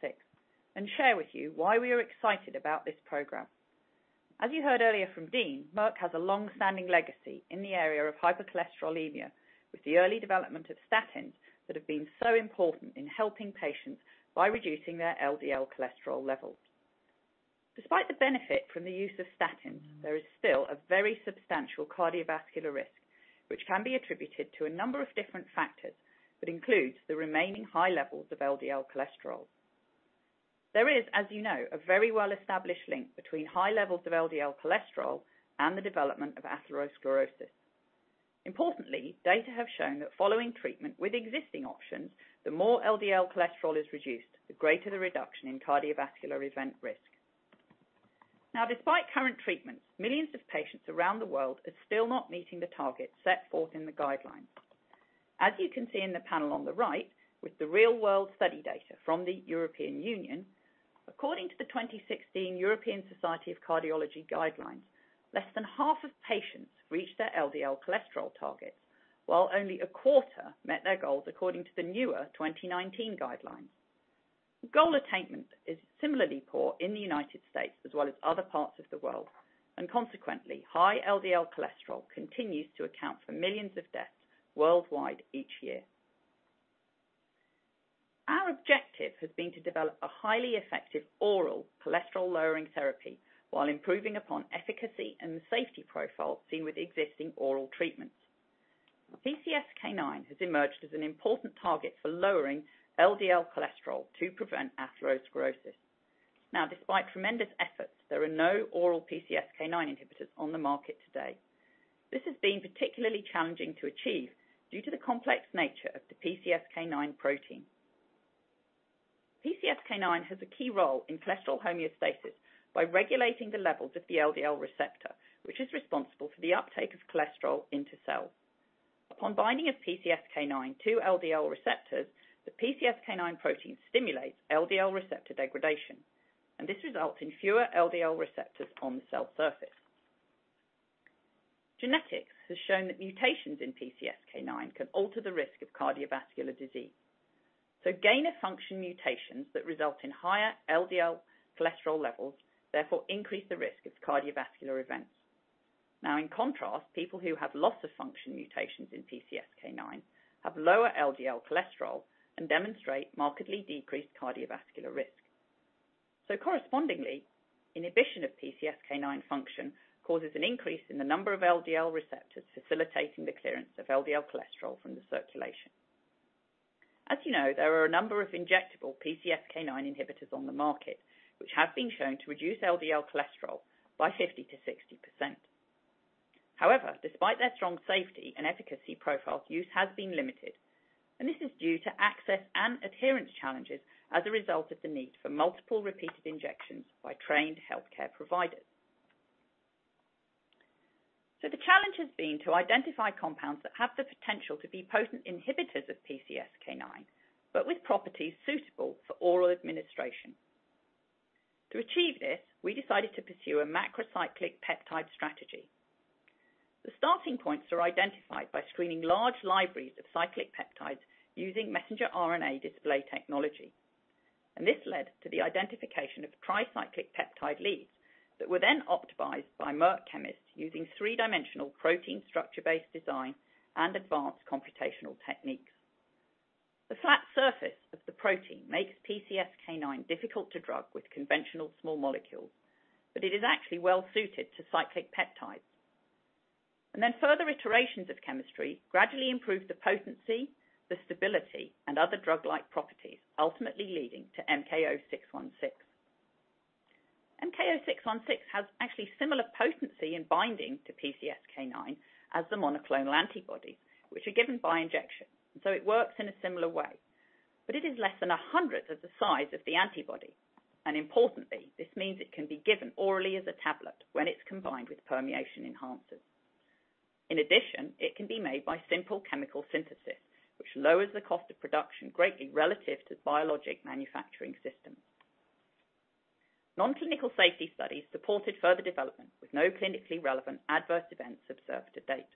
and share with you why we are excited about this program. As you heard earlier from Dean, Merck has a long-standing legacy in the area of hypercholesterolemia with the early development of statins that have been so important in helping patients by reducing their LDL cholesterol levels. Despite the benefit from the use of statins, there is still a very substantial cardiovascular risk, which can be attributed to a number of different factors, but includes the remaining high levels of LDL cholesterol. There is, as you know, a very well-established link between high levels of LDL cholesterol and the development of atherosclerosis. Importantly, data have shown that following treatment with existing options, the more LDL cholesterol is reduced, the greater the reduction in cardiovascular event risk. Now, despite current treatments, millions of patients around the world are still not meeting the targets set forth in the guidelines. As you can see in the panel on the right, with the real-world study data from the European Union, according to the 2016 European Society of Cardiology guidelines, less than half of patients reached their LDL cholesterol targets, while only a quarter met their goals according to the newer 2019 guidelines. Goal attainment is similarly poor in the United States as well as other parts of the world, and consequently, high LDL cholesterol continues to account for millions of deaths worldwide each year. Our objective has been to develop a highly effective oral cholesterol-lowering therapy while improving upon efficacy and the safety profile seen with existing oral treatments. PCSK9 has emerged as an important target for lowering LDL cholesterol to prevent atherosclerosis. Now, despite tremendous efforts, there are no oral PCSK9 inhibitors on the market today. This has been particularly challenging to achieve due to the complex nature of the PCSK9 protein. PCSK9 has a key role in cholesterol homeostasis by regulating the levels of the LDL receptor, which is responsible for the uptake of cholesterol into cells. Upon binding of PCSK9 to LDL receptors, the PCSK9 protein stimulates LDL receptor degradation, and this results in fewer LDL receptors on the cell surface. Genetics has shown that mutations in PCSK9 can alter the risk of cardiovascular disease. Gain-of-function mutations that result in higher LDL cholesterol levels therefore increase the risk of cardiovascular events. Now in contrast, people who have loss-of-function mutations in PCSK9 have lower LDL cholesterol and demonstrate markedly decreased cardiovascular risk. Correspondingly, inhibition of PCSK9 function causes an increase in the number of LDL receptors facilitating the clearance of LDL cholesterol from the circulation. As you know, there are a number of injectable PCSK9 inhibitors on the market, which have been shown to reduce LDL cholesterol by 50%-60%. However, despite their strong safety and efficacy profile, use has been limited, and this is due to access and adherence challenges as a result of the need for multiple repeated injections by trained healthcare providers. The challenge has been to identify compounds that have the potential to be potent inhibitors of PCSK9, but with properties suitable for oral administration. To achieve this, we decided to pursue a macrocyclic peptide strategy. The starting points are identified by screening large libraries of cyclic peptides using messenger RNA display technology. This led to the identification of tricyclic peptide leads that were then optimized by Merck chemists using three-dimensional protein structure-based design and advanced computational techniques. The flat surface of the protein makes PCSK9 difficult to drug with conventional small molecules, but it is actually well suited to cyclic peptides. Further iterations of chemistry gradually improve the potency, the stability, and other drug-like properties, ultimately leading to MK-0616. MK-0616 has actually similar potency in binding to PCSK9 as the monoclonal antibody, which are given by injection. It works in a similar way, but it is less than a hundredth of the size of the antibody. Importantly, this means it can be given orally as a tablet when it's combined with permeation enhancers. In addition, it can be made by simple chemical synthesis, which lowers the cost of production greatly relative to biologic manufacturing systems. Non-clinical safety studies supported further development, with no clinically relevant adverse events observed to date.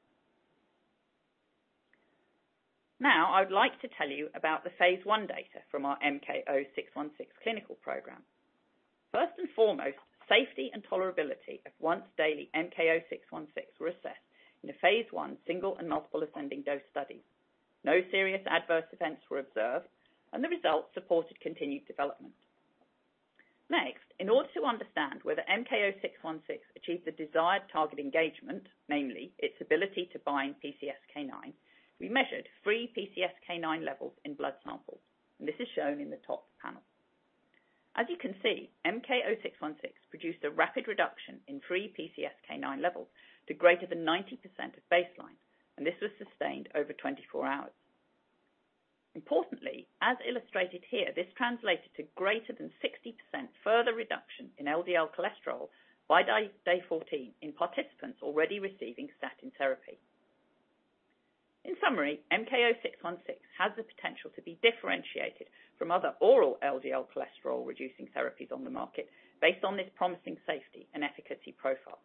Now, I would like to tell you about the phase I data from our MK-0616 clinical program. First and foremost, safety and tolerability of once-daily MK-0616 were assessed in a phase I single and multiple ascending dose study. No serious adverse events were observed, and the results supported continued development. Next, in order to understand whether MK-0616 achieved the desired target engagement, namely its ability to bind PCSK9, we measured free PCSK9 levels in blood samples. This is shown in the top panel. As you can see, MK-0616 produced a rapid reduction in free PCSK9 levels to greater than 90% of baseline, and this was sustained over 24 hours. Importantly, as illustrated here, this translated to greater than 60% further reduction in LDL cholesterol by day 14 in participants already receiving statin therapy. In summary, MK-0616 has the potential to be differentiated from other oral LDL cholesterol-reducing therapies on the market based on this promising safety and efficacy profile.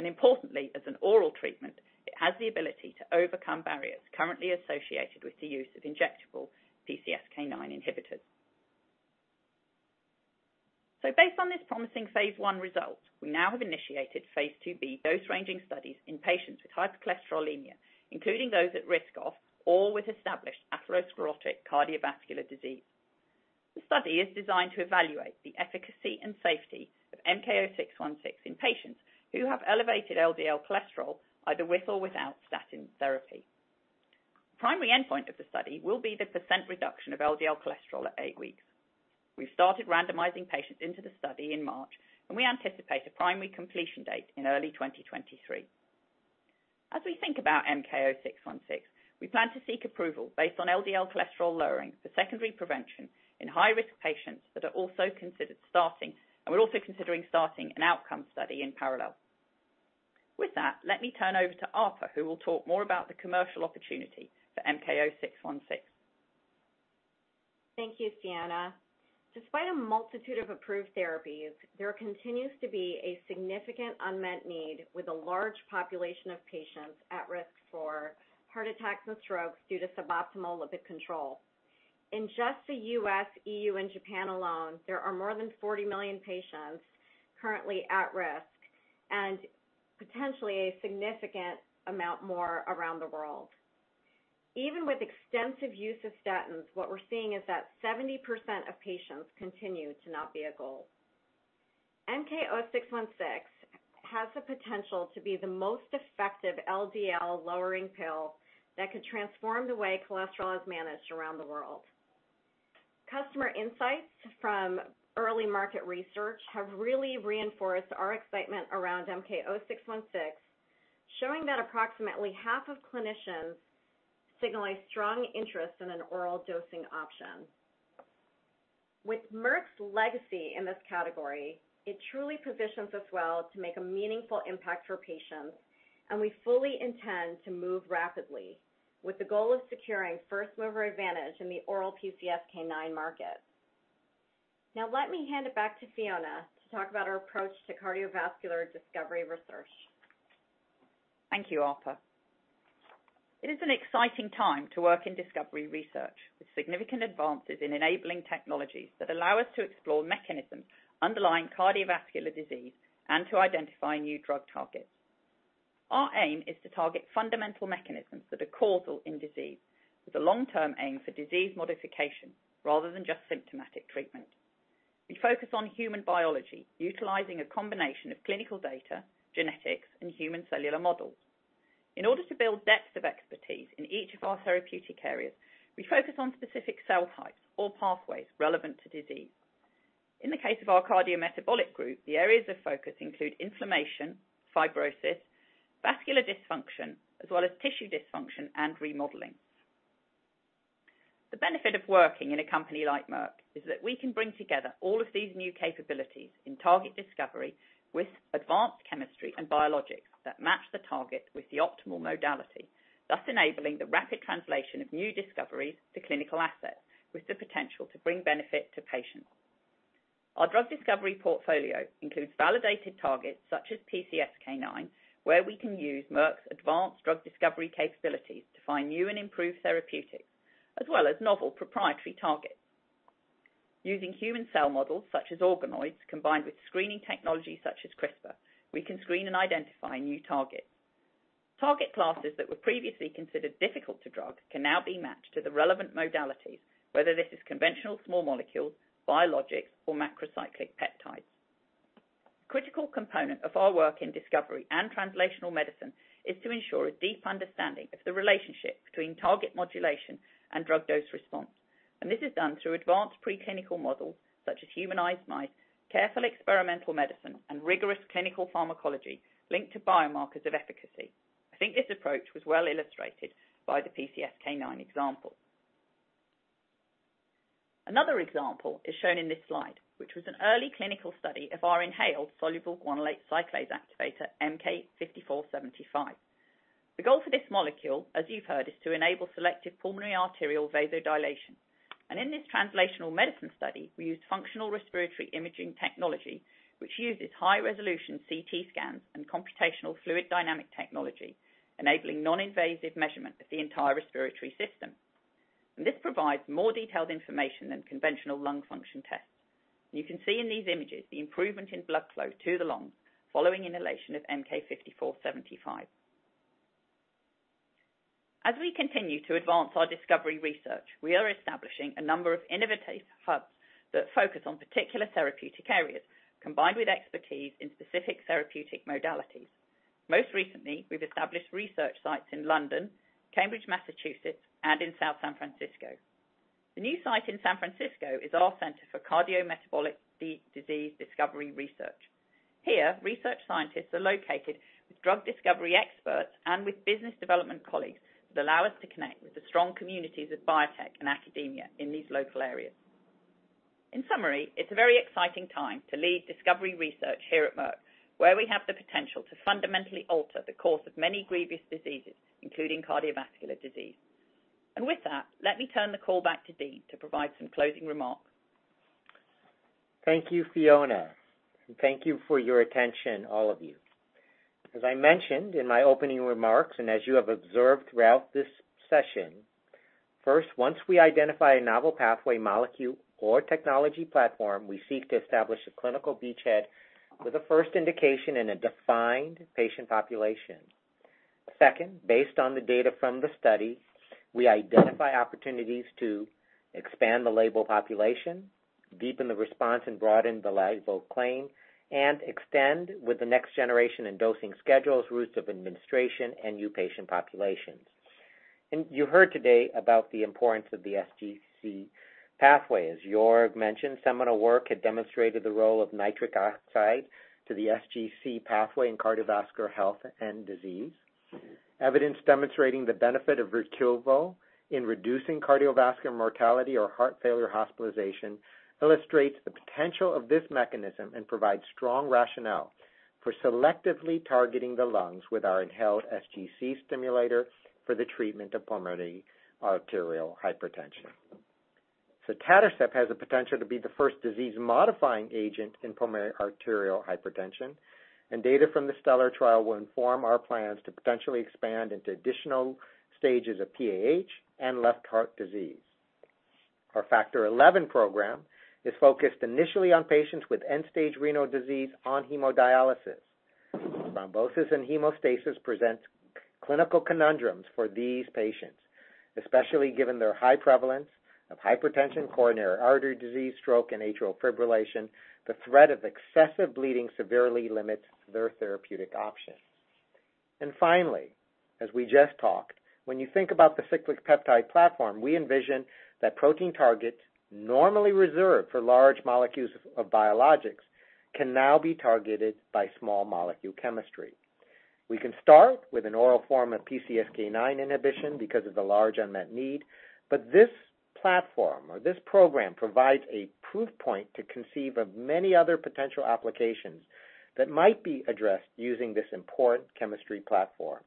Importantly, as an oral treatment, it has the ability to overcome barriers currently associated with the use of injectable PCSK9 inhibitors. Based on this promising phase I result, we now have initiated phase IIb, dose-ranging studies in patients with hypercholesterolemia, including those at risk of or with established atherosclerotic cardiovascular disease. The study is designed to evaluate the efficacy and safety of MK-0616 in patients who have elevated LDL cholesterol, either with or without statin therapy. Primary endpoint of the study will be the % reduction of LDL cholesterol at eight weeks. We've started randomizing patients into the study in March, and we anticipate a primary completion date in early 2023. As we think about MK-0616, we plan to seek approval based on LDL cholesterol lowering for secondary prevention in high-risk patients that are also considered starting, and we're also considering starting an outcome study in parallel. With that, let me turn over to Arpa, who will talk more about the commercial opportunity for MK-0616. Thank you, Fiona. Despite a multitude of approved therapies, there continues to be a significant unmet need, with a large population of patients at risk for heart attacks and strokes due to suboptimal lipid control. In just the U.S., EU, and Japan alone, there are more than 40 million patients currently at risk, and potentially a significant amount more around the world. Even with extensive use of statins, what we're seeing is that 70% of patients continue to not be a goal. MK-0616 has the potential to be the most effective LDL-lowering pill that could transform the way cholesterol is managed around the world. Customer insights from early market research have really reinforced our excitement around MK-0616, showing that approximately half of clinicians signal a strong interest in an oral dosing option. With Merck's legacy in this category, it truly positions us well to make a meaningful impact for patients, and we fully intend to move rapidly with the goal of securing first-mover advantage in the oral PCSK9 market. Now, let me hand it back to Fiona to talk about our approach to cardiovascular discovery research. Thank you, Arpa. It is an exciting time to work in discovery research, with significant advances in enabling technologies that allow us to explore mechanisms underlying cardiovascular disease and to identify new drug targets. Our aim is to target fundamental mechanisms that are causal in disease, with a long-term aim for disease modification rather than just symptomatic treatment. We focus on human biology, utilizing a combination of clinical data, genetics, and human cellular models. In order to build depth of expertise in each of our therapeutic areas, we focus on specific cell types or pathways relevant to disease. In the case of our cardiometabolic group, the areas of focus include inflammation, fibrosis, vascular dysfunction, as well as tissue dysfunction and remodeling. The benefit of working in a company like Merck is that we can bring together all of these new capabilities in target discovery with advanced chemistry and biologics that match the target with the optimal modality, thus enabling the rapid translation of new discoveries to clinical assets with the potential to bring benefit to patients. Our drug discovery portfolio includes validated targets such as PCSK9, where we can use Merck's advanced drug discovery capabilities to find new and improved therapeutics, as well as novel proprietary targets. Using human cell models such as organoids, combined with screening technologies such as CRISPR, we can screen and identify new targets. Target classes that were previously considered difficult to drug can now be matched to the relevant modalities, whether this is conventional small molecules, biologics, or macrocyclic peptides. Critical component of our work in discovery and translational medicine is to ensure a deep understanding of the relationship between target modulation and drug dose response. This is done through advanced preclinical models such as humanized mice, careful experimental medicine, and rigorous clinical pharmacology linked to biomarkers of efficacy. I think this approach was well illustrated by the PCSK9 example. Another example is shown in this slide, which was an early clinical study of our inhaled soluble guanylate cyclase activator, MK-5475. The goal for this molecule, as you've heard, is to enable selective pulmonary arterial vasodilation. In this translational medicine study, we used functional respiratory imaging technology, which uses high-resolution CT scans and computational fluid dynamic technology, enabling non-invasive measurement of the entire respiratory system. This provides more detailed information than conventional lung function tests. You can see in these images the improvement in blood flow to the lungs following inhalation of MK-5475. As we continue to advance our discovery research, we are establishing a number of innovative hubs that focus on particular therapeutic areas, combined with expertise in specific therapeutic modalities. Most recently, we've established research sites in London, Cambridge, Massachusetts, and in South San Francisco. The new site in San Francisco is our center for cardiometabolic disease discovery research. Here, research scientists are located with drug discovery experts and with business development colleagues that allow us to connect with the strong communities of biotech and academia in these local areas. In summary, it's a very exciting time to lead discovery research here at Merck, where we have the potential to fundamentally alter the course of many grievous diseases, including cardiovascular disease. With that, let me turn the call back to Dean to provide some closing remarks. Thank you, Fiona. Thank you for your attention, all of you. As I mentioned in my opening remarks, and as you have observed throughout this session, first, once we identify a novel pathway molecule or technology platform, we seek to establish a clinical beachhead with a first indication in a defined patient population. Second, based on the data from the study, we identify opportunities to expand the label population, deepen the response and broaden the label claim, and extend with the next generation in dosing schedules, routes of administration, and new patient populations. You heard today about the importance of the SGC pathway. As Joerg mentioned, seminal work had demonstrated the role of nitric oxide to the SGC pathway in cardiovascular health and disease. Evidence demonstrating the benefit of VERQUVO in reducing cardiovascular mortality or heart failure hospitalization illustrates the potential of this mechanism and provides strong rationale for selectively targeting the lungs with our inhaled SGC stimulator for the treatment of pulmonary arterial hypertension. Sotatercept has the potential to be the first disease-modifying agent in pulmonary arterial hypertension, and data from the STELLAR trial will inform our plans to potentially expand into additional stages of PAH and left heart disease. Our Factor XI program is focused initially on patients with end-stage renal disease on hemodialysis. Thrombosis and hemostasis presents clinical conundrums for these patients, especially given their high prevalence of hypertension, coronary artery disease, stroke, and atrial fibrillation. The threat of excessive bleeding severely limits their therapeutic options. Finally, as we just talked, when you think about the cyclic peptide platform, we envision that protein targets normally reserved for large molecules of biologics can now be targeted by small molecule chemistry. We can start with an oral form of PCSK9 inhibition because of the large unmet need. But this platform or this program provides a proof point to conceive of many other potential applications that might be addressed using this important chemistry platform.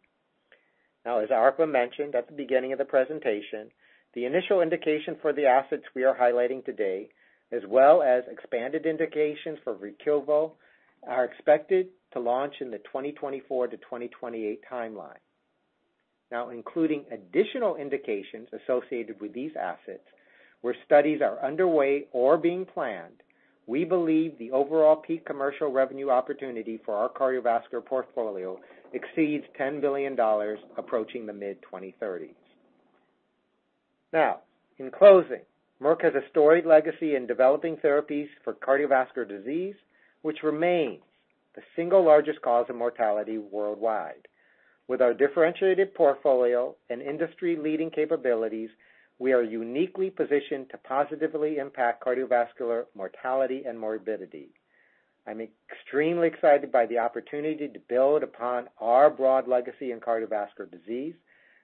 Now, as Arpa mentioned at the beginning of the presentation, the initial indication for the assets we are highlighting today, as well as expanded indications for VERQUVO, are expected to launch in the 2024-2028 timeline. Now, including additional indications associated with these assets, where studies are underway or being planned, we believe the overall peak commercial revenue opportunity for our cardiovascular portfolio exceeds $10 billion approaching the mid-2030s. Now, in closing, Merck has a storied legacy in developing therapies for cardiovascular disease, which remains the single largest cause of mortality worldwide. With our differentiated portfolio and industry-leading capabilities, we are uniquely positioned to positively impact cardiovascular mortality and morbidity. I'm extremely excited by the opportunity to build upon our broad legacy in cardiovascular disease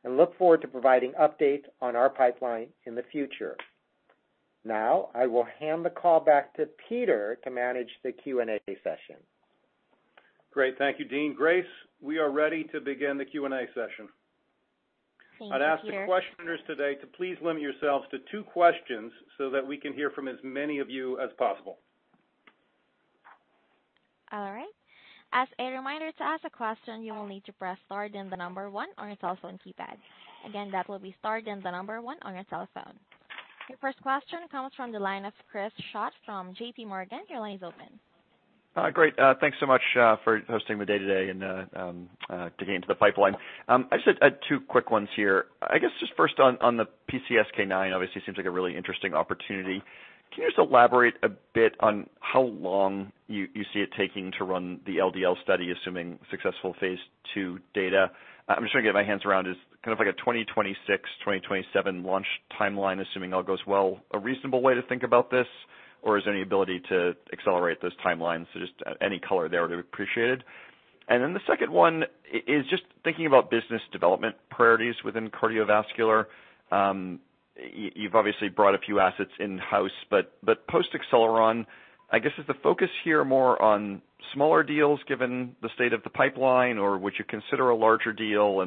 and look forward to providing updates on our pipeline in the future. Now, I will hand the call back to Peter to manage the Q&A session. Great. Thank you, Dean. Grace, we are ready to begin the Q&A session. Thank you, Peter. I'd ask the questioners today to please limit yourselves to two questions so that we can hear from as many of you as possible. All right. As a reminder, to ask a question, you will need to press star then the number one on your telephone keypad. Again, that will be star then the number one on your telephone. Your first question comes from the line of Chris Schott from JPMorgan. Your line is open. Great. Thanks so much for hosting the day today and digging into the pipeline. I just had two quick ones here. I guess just first on the PCSK9 obviously seems like a really interesting opportunity. Can you just elaborate a bit on how long you see it taking to run the LDL study, assuming successful phase II data? I'm just trying to get my hands around is kind of like a 2026, 2027 launch timeline, assuming all goes well, a reasonable way to think about this? Or is there any ability to accelerate those timelines? Just any color there would be appreciated. Then the second one is just thinking about business development priorities within cardiovascular. You've obviously brought a few assets in-house, but post-Acceleron, I guess, is the focus here more on smaller deals given the state of the pipeline, or would you consider a larger deal?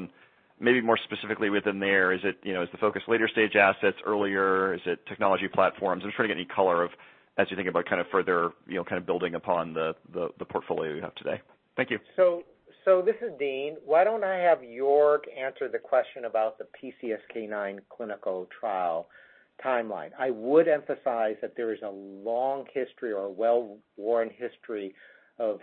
Maybe more specifically within there, is it, you know, is the focus later-stage assets earlier? Is it technology platforms? I'm just trying to get any color on as you think about kind of further, you know, kind of building upon the portfolio you have today. Thank you. This is Dean. Why don't I have Joerg answer the question about the PCSK9 clinical trial timeline? I would emphasize that there is a long history or a well-worn history of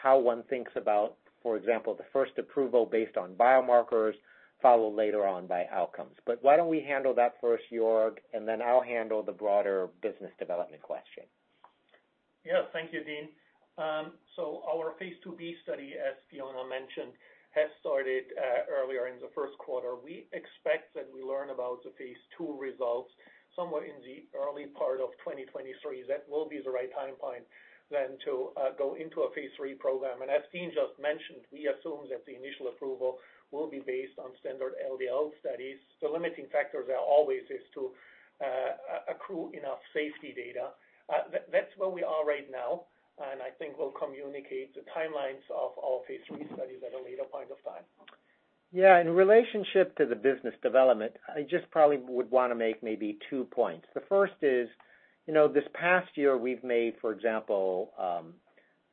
how one thinks about, for example, the first approval based on biomarkers followed later on by outcomes. Why don't we handle that first, Joerg, and then I'll handle the broader business development question. Yeah. Thank you, Dean. So our phase IIb study, as Fiona mentioned, has started earlier in the first quarter. We expect that we learn about the phase II results somewhere in the early part of 2023. That will be the right timeline then to go into a phase III program. As Dean just mentioned, we assume that the initial approval will be based on standard LDL studies. The limiting factors are always to accrue enough safety data. That's where we are right now, and I think we'll communicate the timelines of our phase III studies at a later point of time. Yeah. In relationship to the business development, I just probably would wanna make maybe two points. The first is, you know, this past year we've made, for example,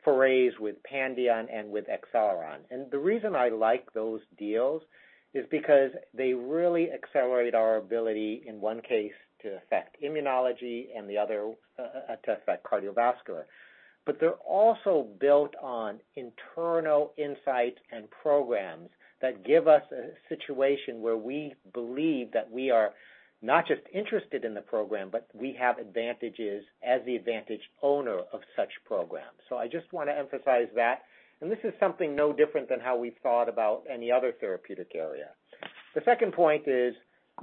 forays with Pandion and with Acceleron. The reason I like those deals is because they really accelerate our ability, in one case, to affect immunology and the other, to affect cardiovascular. They're also built on internal insights and programs that give us a situation where we believe that we are not just interested in the program, but we have advantages as the advantage owner of such programs. I just wanna emphasize that, and this is something no different than how we've thought about any other therapeutic area. The second point is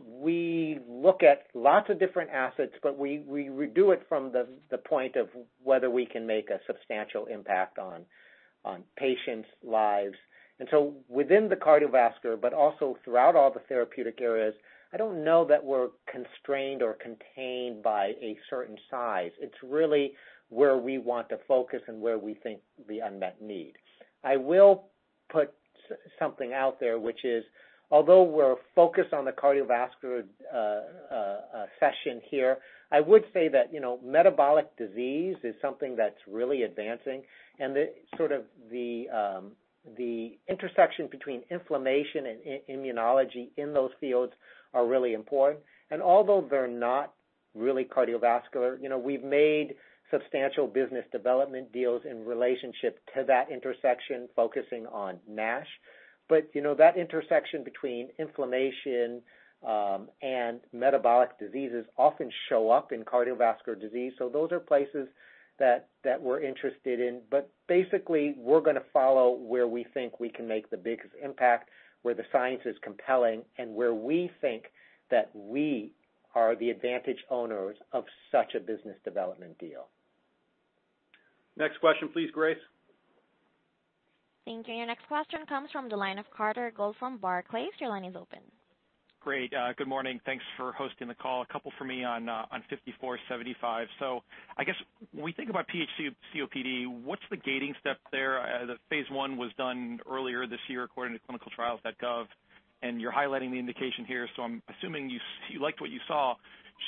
we look at lots of different assets, but we do it from the point of whether we can make a substantial impact on patients' lives. Within the cardiovascular, but also throughout all the therapeutic areas, I don't know that we're constrained or contained by a certain size. It's really where we want to focus and where we think the unmet need. I will put something out there, which is, although we're focused on the cardiovascular session here, I would say that, you know, metabolic disease is something that's really advancing and the sort of intersection between inflammation and immunology in those fields are really important. Although they're not really cardiovascular, you know, we've made substantial business development deals in relationship to that intersection, focusing on NASH. You know, that intersection between inflammation and metabolic diseases often show up in cardiovascular disease. Those are places that we're interested in. Basically, we're gonna follow where we think we can make the biggest impact, where the science is compelling, and where we think that we are the advantage owners of such a business development deal. Next question, please, Grace. Thank you. Your next question comes from the line of Carter Gould from Barclays. Your line is open. Great. Good morning. Thanks for hosting the call. A couple for me on MK-5475. I guess when we think about PH COPD, what's the gating step there? The phase I was done earlier this year according to clinicaltrials.gov, and you're highlighting the indication here, so I'm assuming you liked what you saw.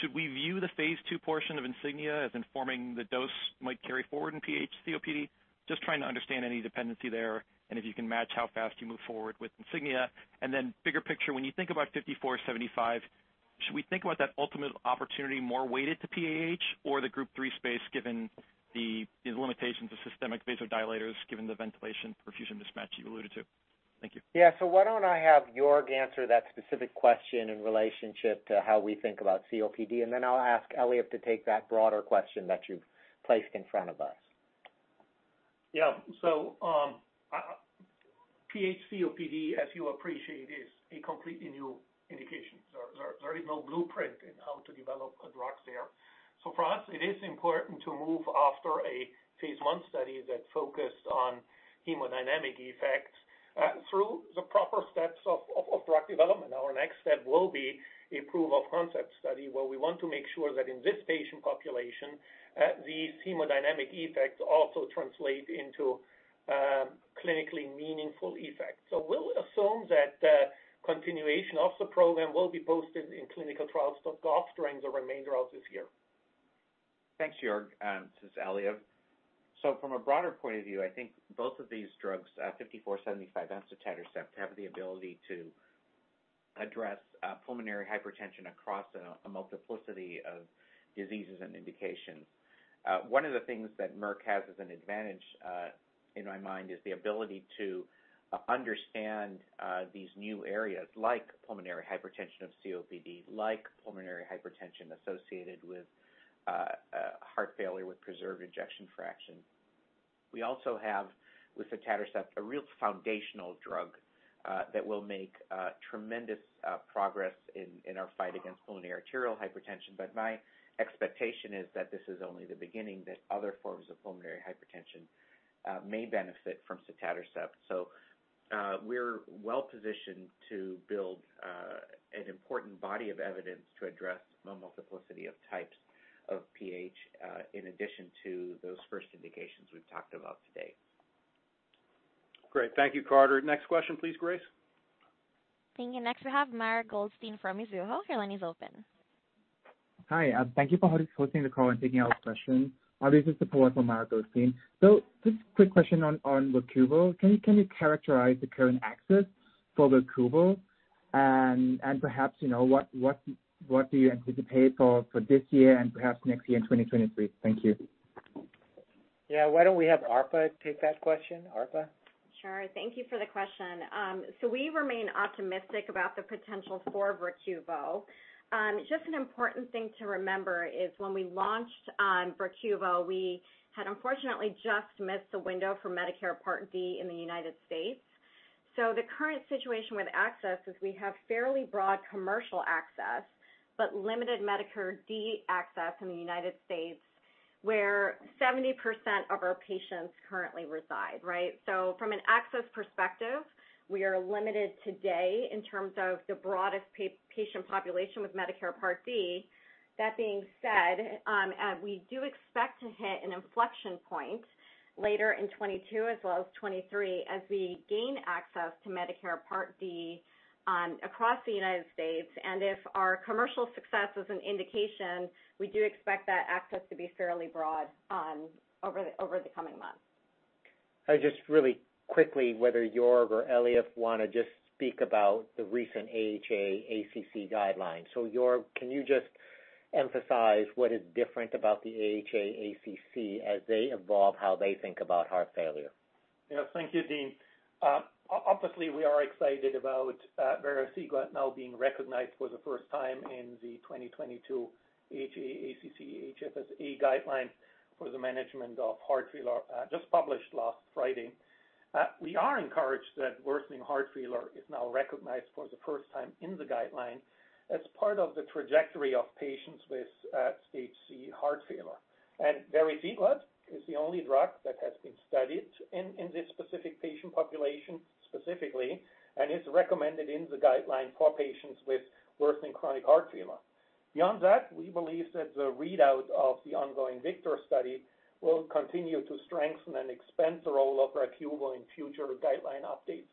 Should we view the phase II portion of INSIGNIA as informing the dose might carry forward in PH COPD? Just trying to understand any dependency there, and if you can match how fast you move forward with INSIGNIA. Bigger picture, when you think about MK-5475, should we think about that ultimate opportunity more weighted to PAH or the Group Three space given the limitations of systemic vasodilators, given the ventilation perfusion mismatch you alluded to? Thank you. Yeah. Why don't I have Joerg answer that specific question in relationship to how we think about COPD, and then I'll ask Eliav to take that broader question that you've placed in front of us. Yeah. PH COPD, as you appreciate, is a completely new indication. There is no blueprint in how to develop drugs there. For us, it is important to move after a phase I study that focused on hemodynamic effects through the proper steps of drug development. Our next step will be a proof of concept study where we want to make sure that in this patient population, the hemodynamic effects also translate into clinically meaningful effects. We'll assume that continuation of the program will be posted in clinicaltrials.gov during the remainder of this year. Thanks, Joerg. This is Eliav. From a broader point of view, I think both of these drugs, MK-5475 and Sotatercept, have the ability to address pulmonary hypertension across a multiplicity of diseases and indications. One of the things that Merck has as an advantage, in my mind, is the ability to understand these new areas like pulmonary hypertension of COPD, like pulmonary hypertension associated with heart failure with preserved ejection fraction. We also have with Sotatercept a real foundational drug that will make tremendous progress in our fight against pulmonary arterial hypertension. My expectation is that this is only the beginning, that other forms of pulmonary hypertension may benefit from Sotatercept. We're well-positioned to build an important body of evidence to address the multiplicity of types of PH in addition to those first indications we've talked about today. Great. Thank you, Carter. Next question, please, Grace. Thank you. Next, we have Mara Goldstein from Mizuho. Your line is open. Hi. Thank you for hosting the call and taking our question. This is quick question on VERQUVO. Can you characterize the current access for VERQUVO and perhaps what you anticipate for this year and perhaps next year 2023? Yeah. Why don't we have Arpa take that question? Arpa? Sure. Thank you for the question. We remain optimistic about the potential for VERQUVO. Just an important thing to remember is when we launched VERQUVO, we had unfortunately just missed the window for Medicare Part D in the United States. The current situation with access is we have fairly broad commercial access, but limited Medicare Part D access in the United States, where 70% of our patients currently reside, right? From an access perspective, we are limited today in terms of the broadest patient population with Medicare Part D. That being said, we do expect to hit an inflection point later in 2022 as well as 2023 as we gain access to Medicare Part D across the United States. If our commercial success is an indication, we do expect that access to be fairly broad, over the coming months. Just really quickly, whether Joerg or Eliav wanna just speak about the recent AHA/ACC guidelines. Joerg, can you just emphasize what is different about the AHA/ACC as they evolve how they think about heart failure? Yes. Thank you, Dean. Obviously, we are excited about vericiguat now being recognized for the first time in the 2022 AHA/ACC/HFSA guideline for the management of heart failure, just published last Friday. We are encouraged that worsening heart failure is now recognized for the first time in the guideline as part of the trajectory of patients with Stage C heart failure. vericiguat is the only drug that has been studied in this specific patient population specifically, and is recommended in the guideline for patients with worsening chronic heart failure. Beyond that, we believe that the readout of the ongoing VICTORIA study will continue to strengthen and expand the role of VERQUVO in future guideline updates.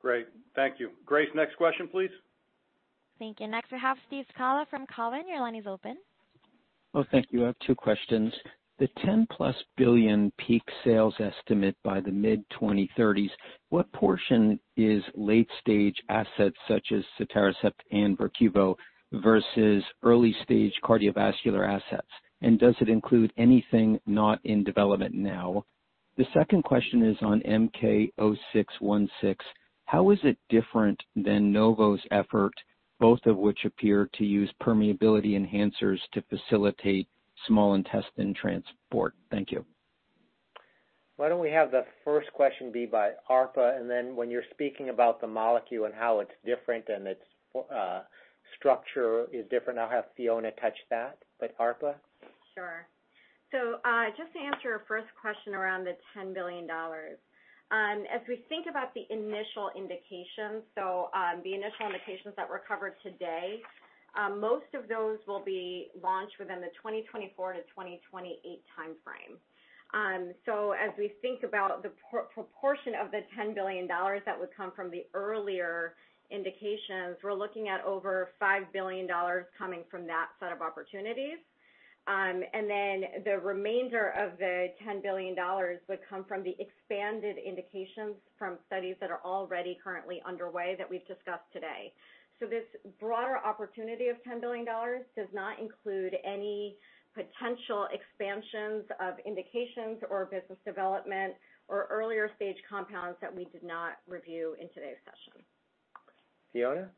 Great. Thank you. Grace, next question, please. Thank you. Next, we have Steve Scala from Cowen. Your line is open. Oh, thank you. I have two questions. The $10+ billion peak sales estimate by the mid-2030s, what portion is late-stage assets such as Sotatercept and VERQUVO versus early-stage cardiovascular assets? And does it include anything not in development now? The second question is on MK-0616. How is it different than Novo's effort, both of which appear to use permeability enhancers to facilitate small intestine transport? Thank you. Why don't we have the first question be by Arpa, and then when you're speaking about the molecule and how it's different and its structure is different, I'll have Fiona touch that. But Arpa? Sure. Just to answer your first question around the $10 billion, as we think about the initial indications, the initial indications that were covered today, most of those will be launched within the 2024-2028 timeframe. As we think about the proportion of the $10 billion that would come from the earlier indications, we're looking at over $5 billion coming from that set of opportunities. And then the remainder of the $10 billion would come from the expanded indications from studies that are already currently underway that we've discussed today. This broader opportunity of $10 billion does not include any potential expansions of indications or business development or earlier-stage compounds that we did not review in today's session. Fiona?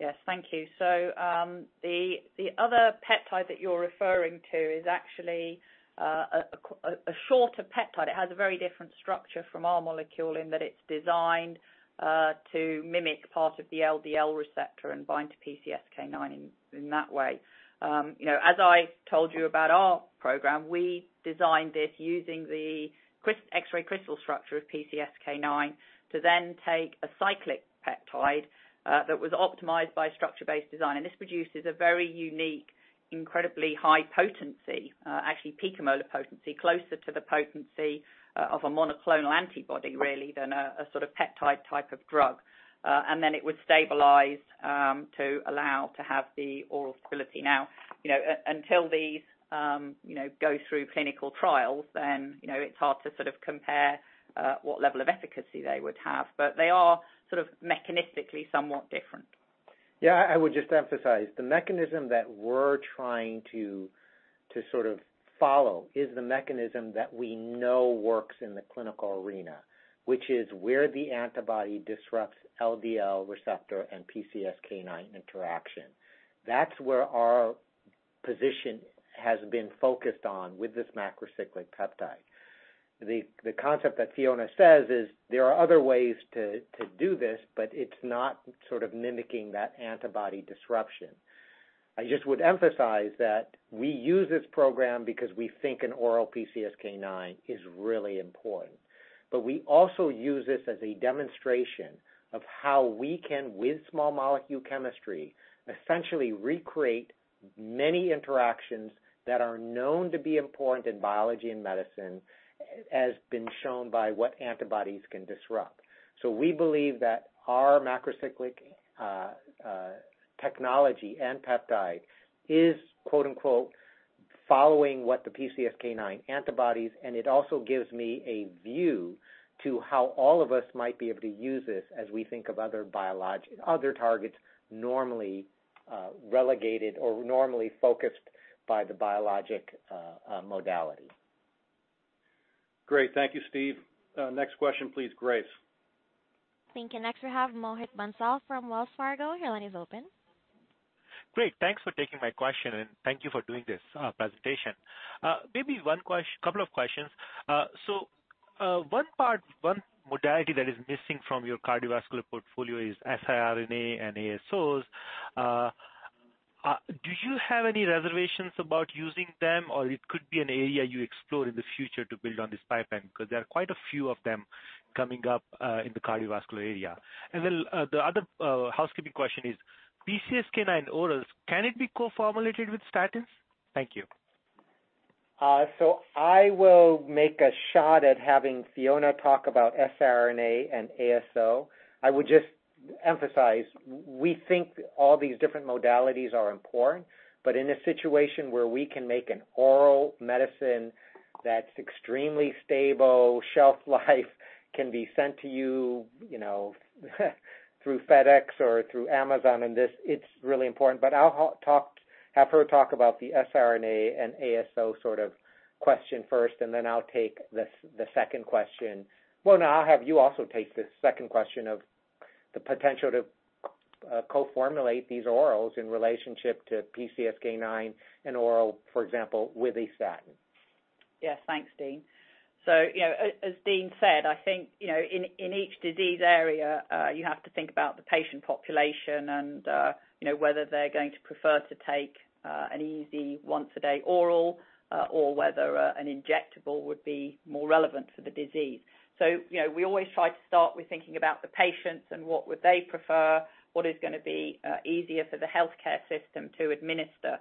Yes. Thank you. The other peptide that you're referring to is actually a shorter peptide. It has a very different structure from our molecule in that it's designed to mimic part of the LDL receptor and bind to PCSK9 in that way. You know, as I told you about our program, we designed this using the X-ray crystal structure of PCSK9 to then take a cyclic peptide that was optimized by structure-based design. This produces a very unique, incredibly high potency, actually picomolar potency, closer to the potency of a monoclonal antibody really than a sort of peptide type of drug. Then it was stabilized to allow to have the oral stability. Now, you know, until these, you know, go through clinical trials, then, you know, it's hard to sort of compare what level of efficacy they would have. But they are sort of mechanistically somewhat different. Yeah, I would just emphasize the mechanism that we're trying to sort of follow is the mechanism that we know works in the clinical arena, which is where the antibody disrupts LDL receptor and PCSK9 interaction. That's where our position has been focused on with this macrocyclic peptide. The concept that Fiona says is there are other ways to do this, but it's not sort of mimicking that antibody disruption. I just would emphasize that we use this program because we think an oral PCSK9 is really important. But we also use this as a demonstration of how we can, with small molecule chemistry, essentially recreate many interactions that are known to be important in biology and medicine, as been shown by what antibodies can disrupt. So we believe that our macrocyclic technology and peptide is quote-unquote following what the PCSK9 antibodies. It also gives me a view to how all of us might be able to use this as we think of other targets normally relegated or normally focused by the biologic modality. Great. Thank you, Steve. Next question please, Grace. Thank you. Next we have Mohit Bansal from Wells Fargo. Your line is open. Great. Thanks for taking my question and thank you for doing this, presentation. Maybe couple of questions. One part, one modality that is missing from your cardiovascular portfolio is siRNA and ASOs. Do you have any reservations about using them, or it could be an area you explore in the future to build on this pipeline? Because there are quite a few of them coming up in the cardiovascular area. The other housekeeping question is PCSK9 orals, can it be co-formulated with statins? Thank you. I will make a shot at having Fiona talk about siRNA and ASO. I would just emphasize, we think all these different modalities are important, but in a situation where we can make an oral medicine that's extremely stable, shelf life, can be sent to you know, through FedEx or through Amazon, and this. It's really important. I'll have her talk about the siRNA and ASO sort of question first, and then I'll take the second question. Well, no, I'll have you also take the second question of the potential to co-formulate these orals in relationship to PCSK9 and oral, for example, with a statin. Yes. Thanks, Dean. You know, as Dean said, I think, you know, in each disease area, you have to think about the patient population and, you know, whether they're going to prefer to take an easy once a day oral or whether an injectable would be more relevant for the disease. You know, we always try to start with thinking about the patients and what would they prefer, what is gonna be easier for the healthcare system to administer.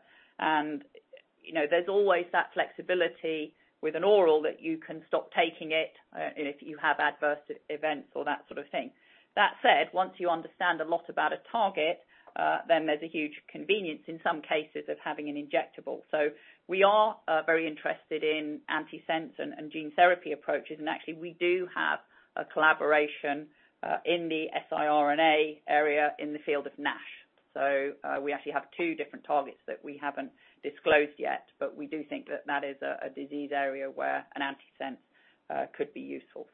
You know, there's always that flexibility with an oral that you can stop taking it if you have adverse events or that sort of thing. That said, once you understand a lot about a target, then there's a huge convenience in some cases of having an injectable. We are very interested in antisense and gene therapy approaches. Actually, we do have a collaboration in the siRNA area in the field of NASH. We actually have two different targets that we haven't disclosed yet, but we do think that that is a disease area where an antisense could be useful.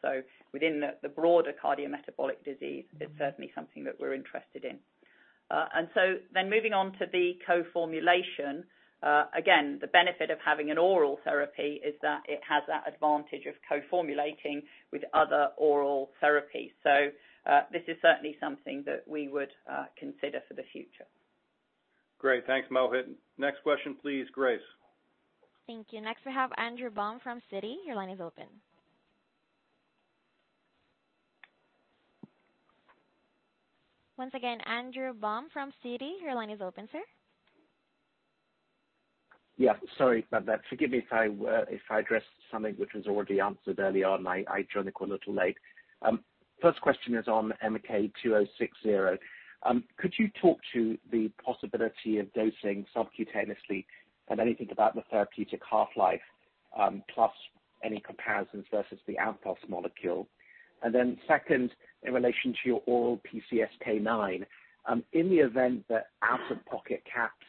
Within the broader cardiometabolic disease, it's certainly something that we're interested in. Moving on to the co-formulation. Again, the benefit of having an oral therapy is that it has that advantage of co-formulating with other oral therapies. This is certainly something that we would consider for the future. Great. Thanks, Mohit. Next question please, Grace. Thank you. Next we have Andrew Baum from Citi. Your line is open. Once again, Andrew Baum from Citi. Your line is open, sir. Yeah, sorry about that. Forgive me if I addressed something which was already answered earlier on. I joined a little late. First question is on MK-2060. Could you talk to the possibility of dosing subcutaneously and anything about the therapeutic half-life, plus any comparisons versus the Amgen molecule? Second, in relation to your oral PCSK9, in the event that out-of-pocket caps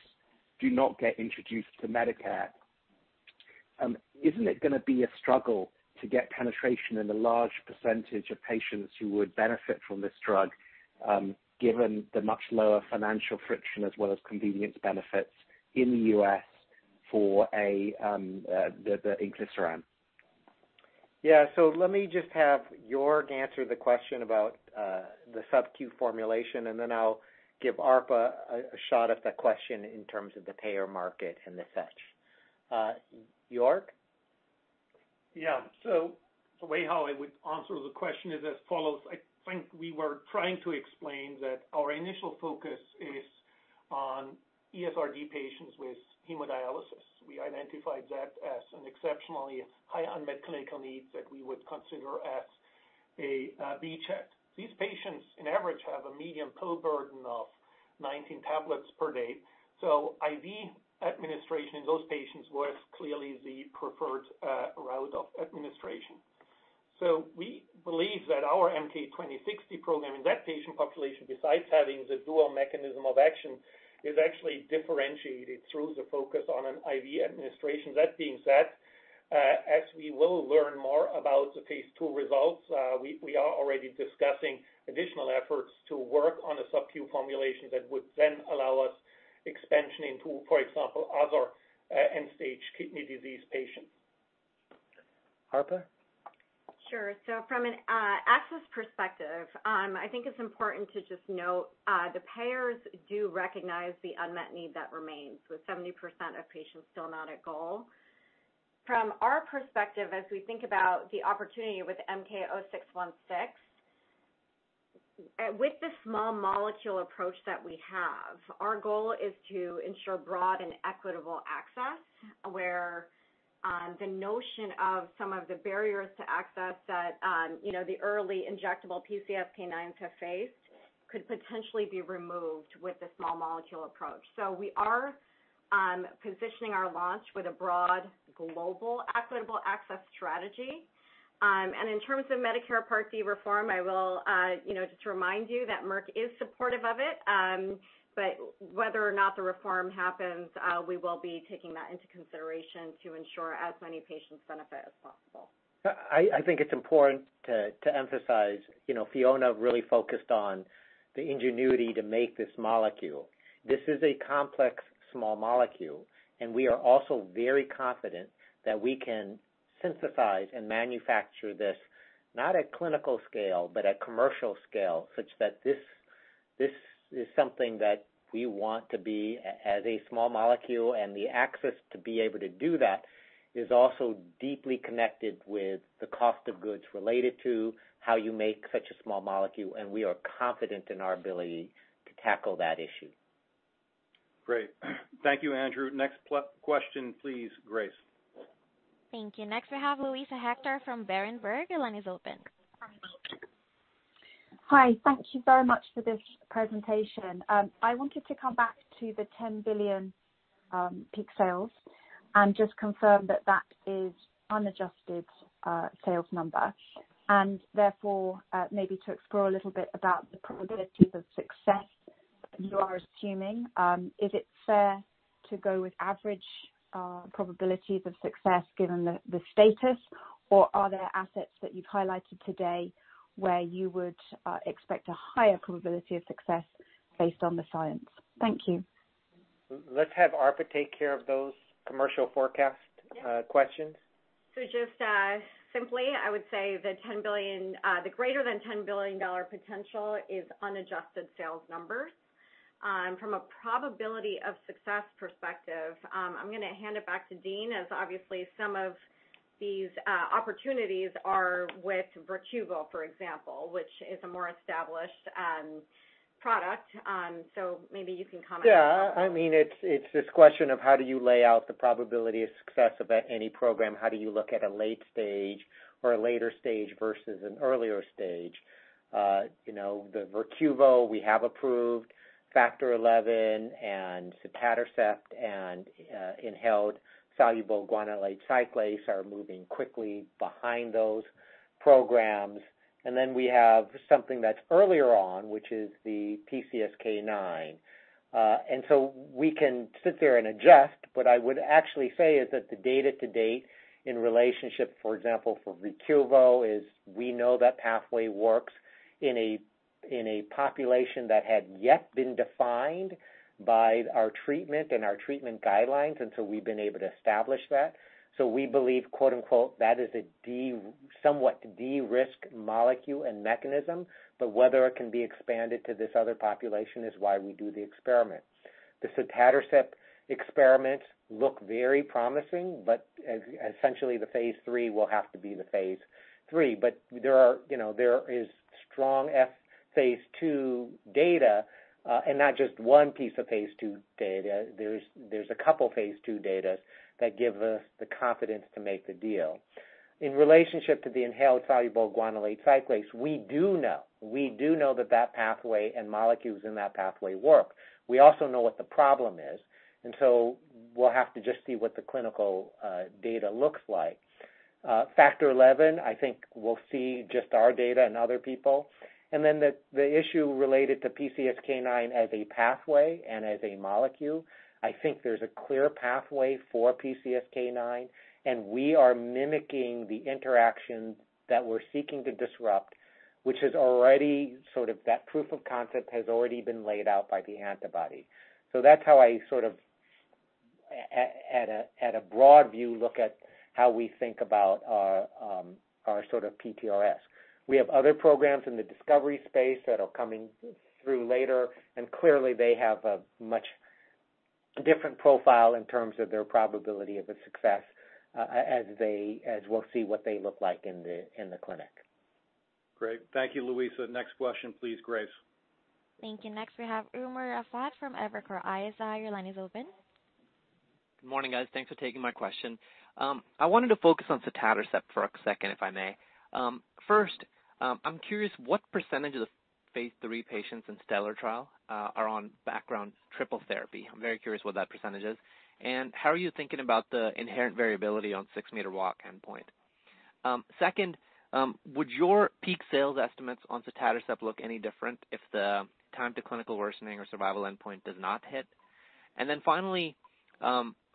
do not get introduced to Medicare, isn't it gonna be a struggle to get penetration in the large percentage of patients who would benefit from this drug, given the much lower financial friction as well as convenience benefits in the U.S. for the inclisiran? Yeah. Let me just have Joerg answer the question about the subQ formulation, and then I'll give Arpa a shot at the question in terms of the payer market and such. Joerg? Yeah. The way how I would answer the question is as follows. I think we were trying to explain that our initial focus is on ESRD patients with hemodialysis. We identified that as an exceptionally high unmet clinical need that we would consider as a beachhead. These patients in average have a median pill burden of 19 tablets per day. IV administration in those patients was clearly the preferred route of administration. We believe that our MK-2060 program in that patient population, besides having the dual mechanism of action, is actually differentiated through the focus on an IV administration. That being said, as we will learn more about the phase II results, we are already discussing additional efforts to work on a sub-Q formulation that would then allow us expansion into, for example, other end stage kidney disease patients. Arpa? Sure. From an access perspective, I think it's important to just note the payers do recognize the unmet need that remains, with 70% of patients still not at goal. From our perspective, as we think about the opportunity with MK-0616, with the small molecule approach that we have, our goal is to ensure broad and equitable access where the notion of some of the barriers to access that, you know, the early injectable PCSK9s have faced could potentially be removed with the small molecule approach. We are positioning our launch with a broad global equitable access strategy. In terms of Medicare Part D reform, I will just remind you that Merck is supportive of it. whether or not the reform happens, we will be taking that into consideration to ensure as many patients benefit as possible. I think it's important to emphasize, you know, Fiona really focused on the ingenuity to make this molecule. This is a complex small molecule, and we are also very confident that we can synthesize and manufacture this, not at clinical scale, but at commercial scale, such that this is something that we want to be as a small molecule, and the access to be able to do that is also deeply connected with the cost of goods related to how you make such a small molecule, and we are confident in our ability to tackle that issue. Great. Thank you, Andrew. Next question please, Grace. Thank you. Next, we have Luisa Hector from Berenberg. Your line is open. Hi. Thank you very much for this presentation. I wanted to come back to the $10 billion peak sales and just confirm that that is unadjusted sales number and therefore, maybe to explore a little bit about the probabilities of success you are assuming. Is it fair to go with average probabilities of success given the status, or are there assets that you've highlighted today where you would expect a higher probability of success based on the science? Thank you. Let's have Arpa take care of those commercial forecast questions. Just simply, I would say the greater than $10 billion potential is unadjusted sales numbers. From a probability of success perspective, I'm gonna hand it back to Dean as obviously some of these opportunities are with VERQUVO, for example, which is a more established product. Maybe you can comment. Yeah. I mean, it's this question of how do you lay out the probability of success of any program? How do you look at a late stage or a later stage versus an earlier stage? You know, the VERQUVO we have approved, Factor XI and Sotatercept and inhaled soluble guanylate cyclase are moving quickly behind those programs. Then we have something that's earlier on, which is the PCSK9. And so we can sit there and adjust, but I would actually say is that the data to date in relationship, for example, for VERQUVO, is we know that pathway works in a population that had yet been defined by our treatment and our treatment guidelines, and so we've been able to establish that. We believe, quote-unquote, that is a somewhat de-risked molecule and mechanism, but whether it can be expanded to this other population is why we do the experiment. The Sotatercept experiments look very promising, but essentially, the phase III will have to be the phase III. There are, you know, there is strong phase II data, and not just one piece of phase II data. There's a couple phase II datas that give us the confidence to make the deal. In relationship to the inhaled soluble guanylate cyclase, we do know that that pathway and molecules in that pathway work. We also know what the problem is, and we'll have to just see what the clinical data looks like. Factor XI, I think we'll see just our data in other people. The issue related to PCSK9 as a pathway and as a molecule, I think there's a clear pathway for PCSK9, and we are mimicking the interaction that we're seeking to disrupt, which is already sort of that proof of concept has already been laid out by the antibody. That's how I sort of at a broad view look at how we think about our sort of PTRS. We have other programs in the discovery space that are coming through later, and clearly, they have a much different profile in terms of their probability of success as we'll see what they look like in the clinic. Great. Thank you, Luisa. Next question, please, Grace. Thank you. Next, we have Umer Raffat from Evercore ISI. Your line is open. Good morning, guys. Thanks for taking my question. I wanted to focus on Sotatercept for a second, if I may. First, I'm curious what percentage of the phase III patients in STELLAR trial are on background triple therapy. I'm very curious what that percentage is. How are you thinking about the inherent variability on six-minute walk endpoint? Second, would your peak sales estimates on Sotatercept look any different if the time to clinical worsening or survival endpoint does not hit? Finally,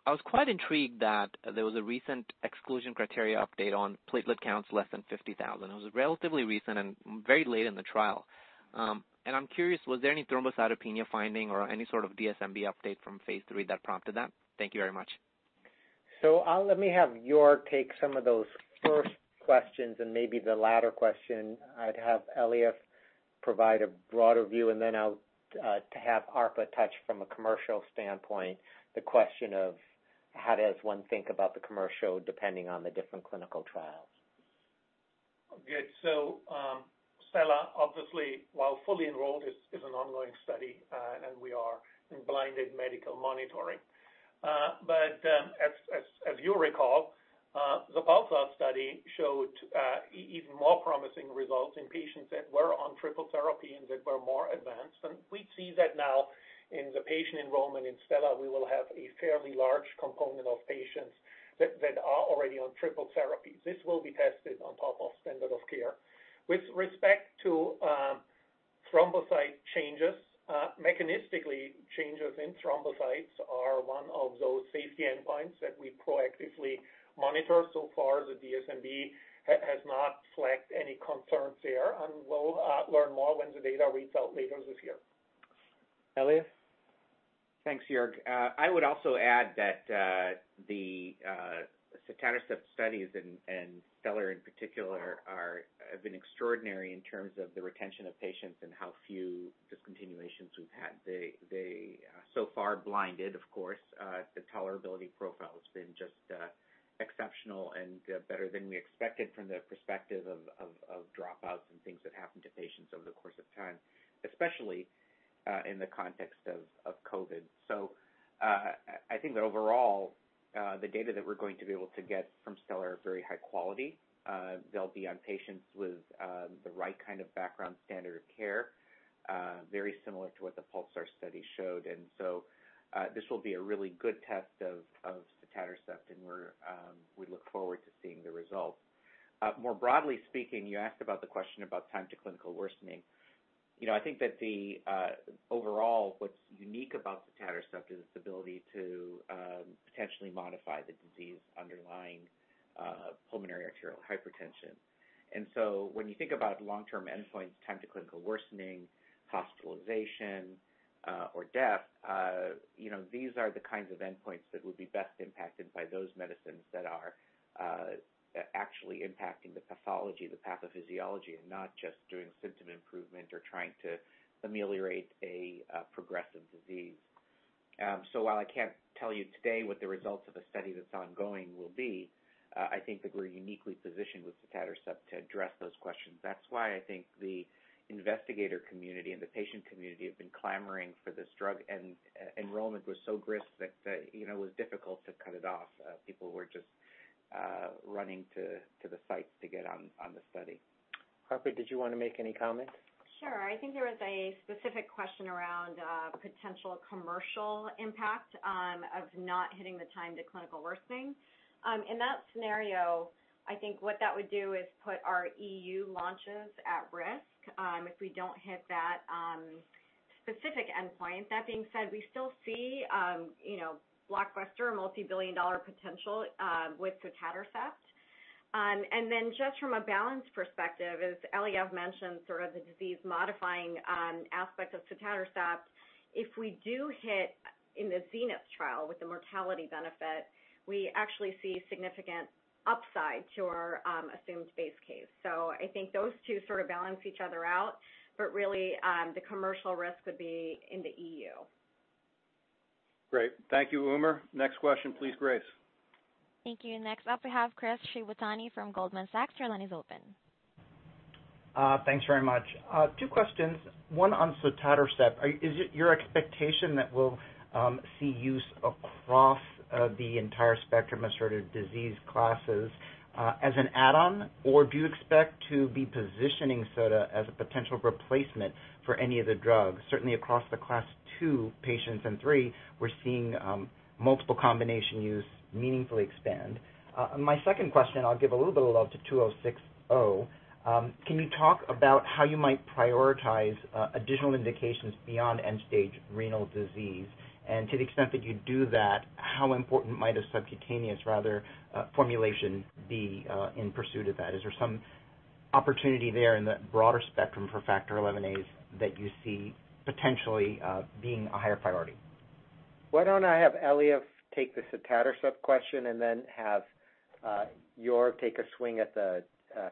I was quite intrigued that there was a recent exclusion criteria update on platelet counts less than 50,000. It was relatively recent and very late in the trial. I'm curious, was there any thrombocytopenia finding or any sort of DSMB update from phase III that prompted that? Thank you very much. I'll let Joerg take some of those first questions and maybe the latter question. I'd have Eliav provide a broader view, and then I'll have Arpa touch on from a commercial standpoint, the question of how does one think about the commercial depending on the different clinical trials. Good. STELLAR, obviously, while fully enrolled, is an ongoing study, and we are in blinded medical monitoring. As you recall, the PULSAR study showed even more promising results in patients that were on triple therapy and that were more advanced. We see that now in the patient enrollment in STELLAR. We will have a fairly large component of patients that are already on triple therapy. This will be tested on top of standard of care. With respect to thrombocyte changes, mechanistically, changes in thrombocytes are one of those safety endpoints that we proactively monitor. So far, the DSMB has not flagged any concerns there, and we'll learn more when the data reads out later this year. Eliav? Thanks, Joerg. I would also add that the Sotatercept studies and STELLAR in particular have been extraordinary in terms of the retention of patients and how few discontinuations we've had. So far, blinded, of course, the tolerability profile has been just exceptional and better than we expected from the perspective of dropouts and things that happen to patients over the course of time, especially in the context of COVID. I think that overall the data that we're going to be able to get from STELLAR are very high quality. They'll be on patients with the right kind of background standard of care, very similar to what the PULSAR study showed. This will be a really good test of Sotatercept, and we look forward to seeing the results. More broadly speaking, you asked about the question about time to clinical worsening. You know, I think that the overall, what's unique about Sotatercept is its ability to potentially modify the disease underlying pulmonary arterial hypertension. When you think about long-term endpoints, time to clinical worsening, hospitalization, or death, you know, these are the kinds of endpoints that would be best impacted by those medicines that are actually impacting the pathology, the pathophysiology, and not just doing symptom improvement or trying to ameliorate a progressive disease. While I can't tell you today what the results of a study that's ongoing will be, I think that we're uniquely positioned with Sotatercept to address those questions. That's why I think the investigator community and the patient community have been clamoring for this drug, and enrollment was so brisk that, you know, it was difficult to cut it off. People were just running to the sites to get on the study. Arpa, did you wanna make any comment? Sure. I think there was a specific question around potential commercial impact of not hitting the time to clinical worsening. In that scenario, I think what that would do is put our EU launches at risk if we don't hit that specific endpoint. That being said, we still see you know blockbuster multibillion-dollar potential with Sotatercept. And then just from a balance perspective, as Eliav Barr mentioned, sort of the disease-modifying aspect of Sotatercept, if we do hit in the ZENITH trial with the mortality benefit, we actually see significant upside to our assumed base case. I think those two sort of balance each other out, but really the commercial risk would be in the EU. Great. Thank you, Umer. Next question, please, Grace. Thank you. Next up, we have Chris Shibutani from Goldman Sachs. Your line is open. Thanks very much. Two questions, one on Sotatercept. Is it your expectation that we'll see use across the entire spectrum of sort of disease classes as an add-on? Or do you expect to be positioning sota as a potential replacement for any of the drugs? Certainly across the class 2 patients and 3, we're seeing multiple combination use meaningfully expand. My second question, I'll give a little bit of love to 2060. Can you talk about how you might prioritize additional indications beyond end-stage renal disease? And to the extent that you do that, how important might a subcutaneous rather formulation be in pursuit of that? Is there some opportunity there in the broader spectrum for Factor XIa that you see potentially being a higher priority? Why don't I have Eliav take the Sotatercept question and then have Joerg take a swing at the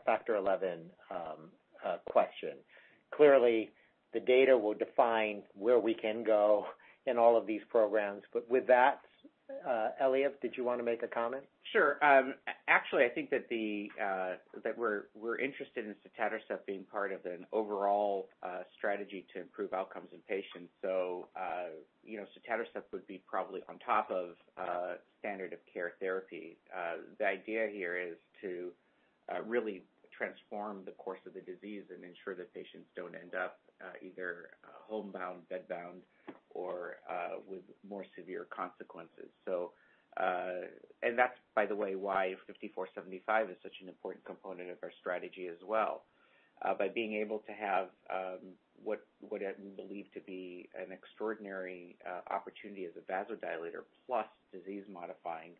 Factor XI question. Clearly, the data will define where we can go in all of these programs. With that, Eliav, did you wanna make a comment? Sure. Actually, I think that we're interested in Sotatercept being part of an overall strategy to improve outcomes in patients. You know, Sotatercept would be probably on top of standard of care therapy. The idea here is to really transform the course of the disease and ensure that patients don't end up either homebound, bedbound or with more severe consequences. That's by the way why MK-5475 is such an important component of our strategy as well. By being able to have what I believe to be an extraordinary opportunity as a vasodilator plus disease-modifying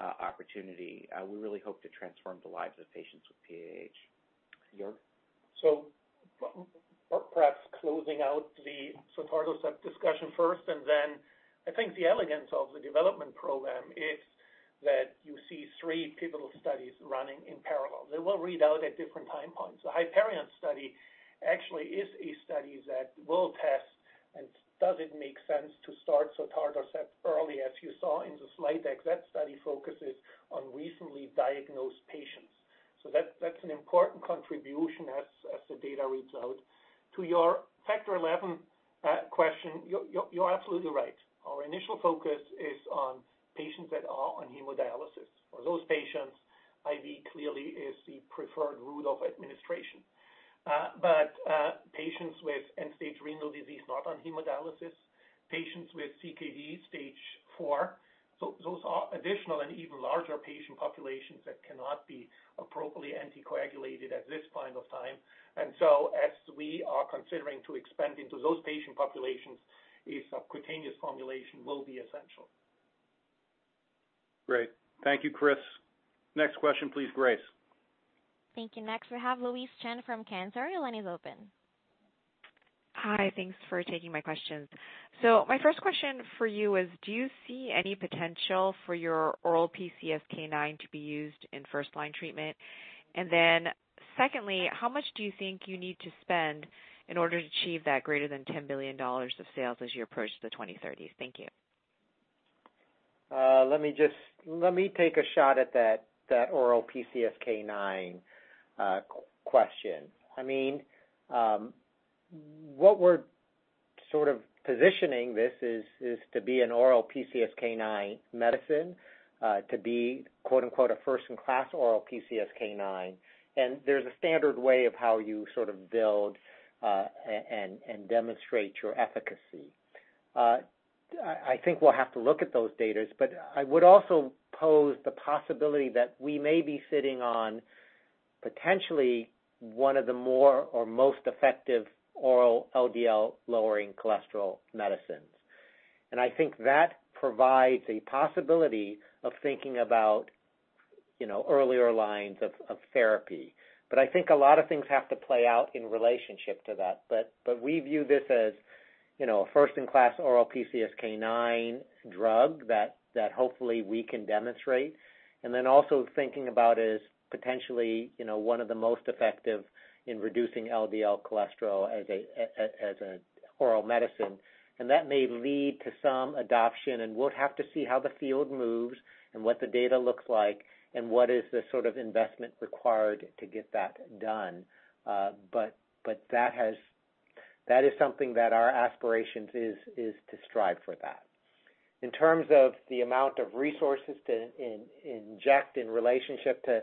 opportunity, we really hope to transform the lives of patients with PAH. Joerg? Perhaps closing out the Sotatercept discussion first and then I think the elegance of the development program is that you see three pivotal studies running in parallel. They will read out at different time points. The HYPERION study actually is a study that will test and does it make sense to start Sotatercept early, as you saw in the slide deck. That study focuses on recently diagnosed patients. That’s an important contribution as the data reads out. To your Factor XI question, you’re absolutely right. Our initial focus is on patients that are on hemodialysis. For those patients, IV clearly is the preferred route of administration. But patients with end-stage renal disease not on hemodialysis, patients with CKD stage 4, so those are additional and even larger patient populations that cannot be appropriately anticoagulated at this point of time. As we are considering to expand into those patient populations, a subcutaneous formulation will be essential. Great. Thank you, Chris. Next question please, Grace. Thank you. Next we have Louise Chen from Canaccord. Your line is open. Hi. Thanks for taking my questions. My first question for you is do you see any potential for your oral PCSK9 to be used in first line treatment? Secondly, how much do you think you need to spend in order to achieve that greater than $10 billion of sales as you approach the 2030s? Thank you. Let me take a shot at that oral PCSK9 question. I mean, what we're sort of positioning this is to be an oral PCSK9 medicine, to be quote-unquote a first in class oral PCSK9. There's a standard way of how you sort of build and demonstrate your efficacy. I think we'll have to look at those data, but I would also pose the possibility that we may be sitting on potentially one of the more or most effective oral LDL lowering cholesterol medicines. I think that provides a possibility of thinking about, you know, earlier lines of therapy. But I think a lot of things have to play out in relationship to that. But we view this as, you know, a first in class oral PCSK9 drug that hopefully we can demonstrate. Then also thinking about is potentially one of the most effective in reducing LDL cholesterol as an oral medicine. That may lead to some adoption, and we'll have to see how the field moves and what the data looks like and what is the sort of investment required to get that done. That is something that our aspirations is to strive for that. In terms of the amount of resources to inject in relationship to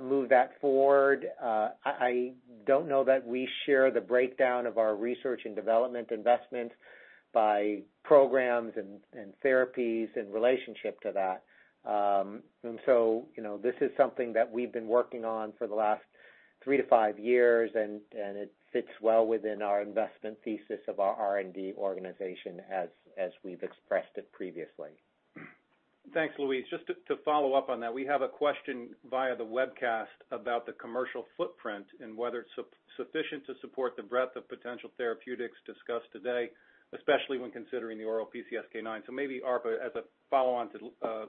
move that forward, I don't know that we share the breakdown of our research and development investment by programs and therapies in relationship to that. You know, this is something that we've been working on for the last 3-5 years and it fits well within our investment thesis of our R&D organization as we've expressed it previously. Thanks, Louise. Just to follow up on that. We have a question via the webcast about the commercial footprint and whether it's sufficient to support the breadth of potential therapeutics discussed today, especially when considering the oral PCSK9. Maybe, Arpa, as a follow on to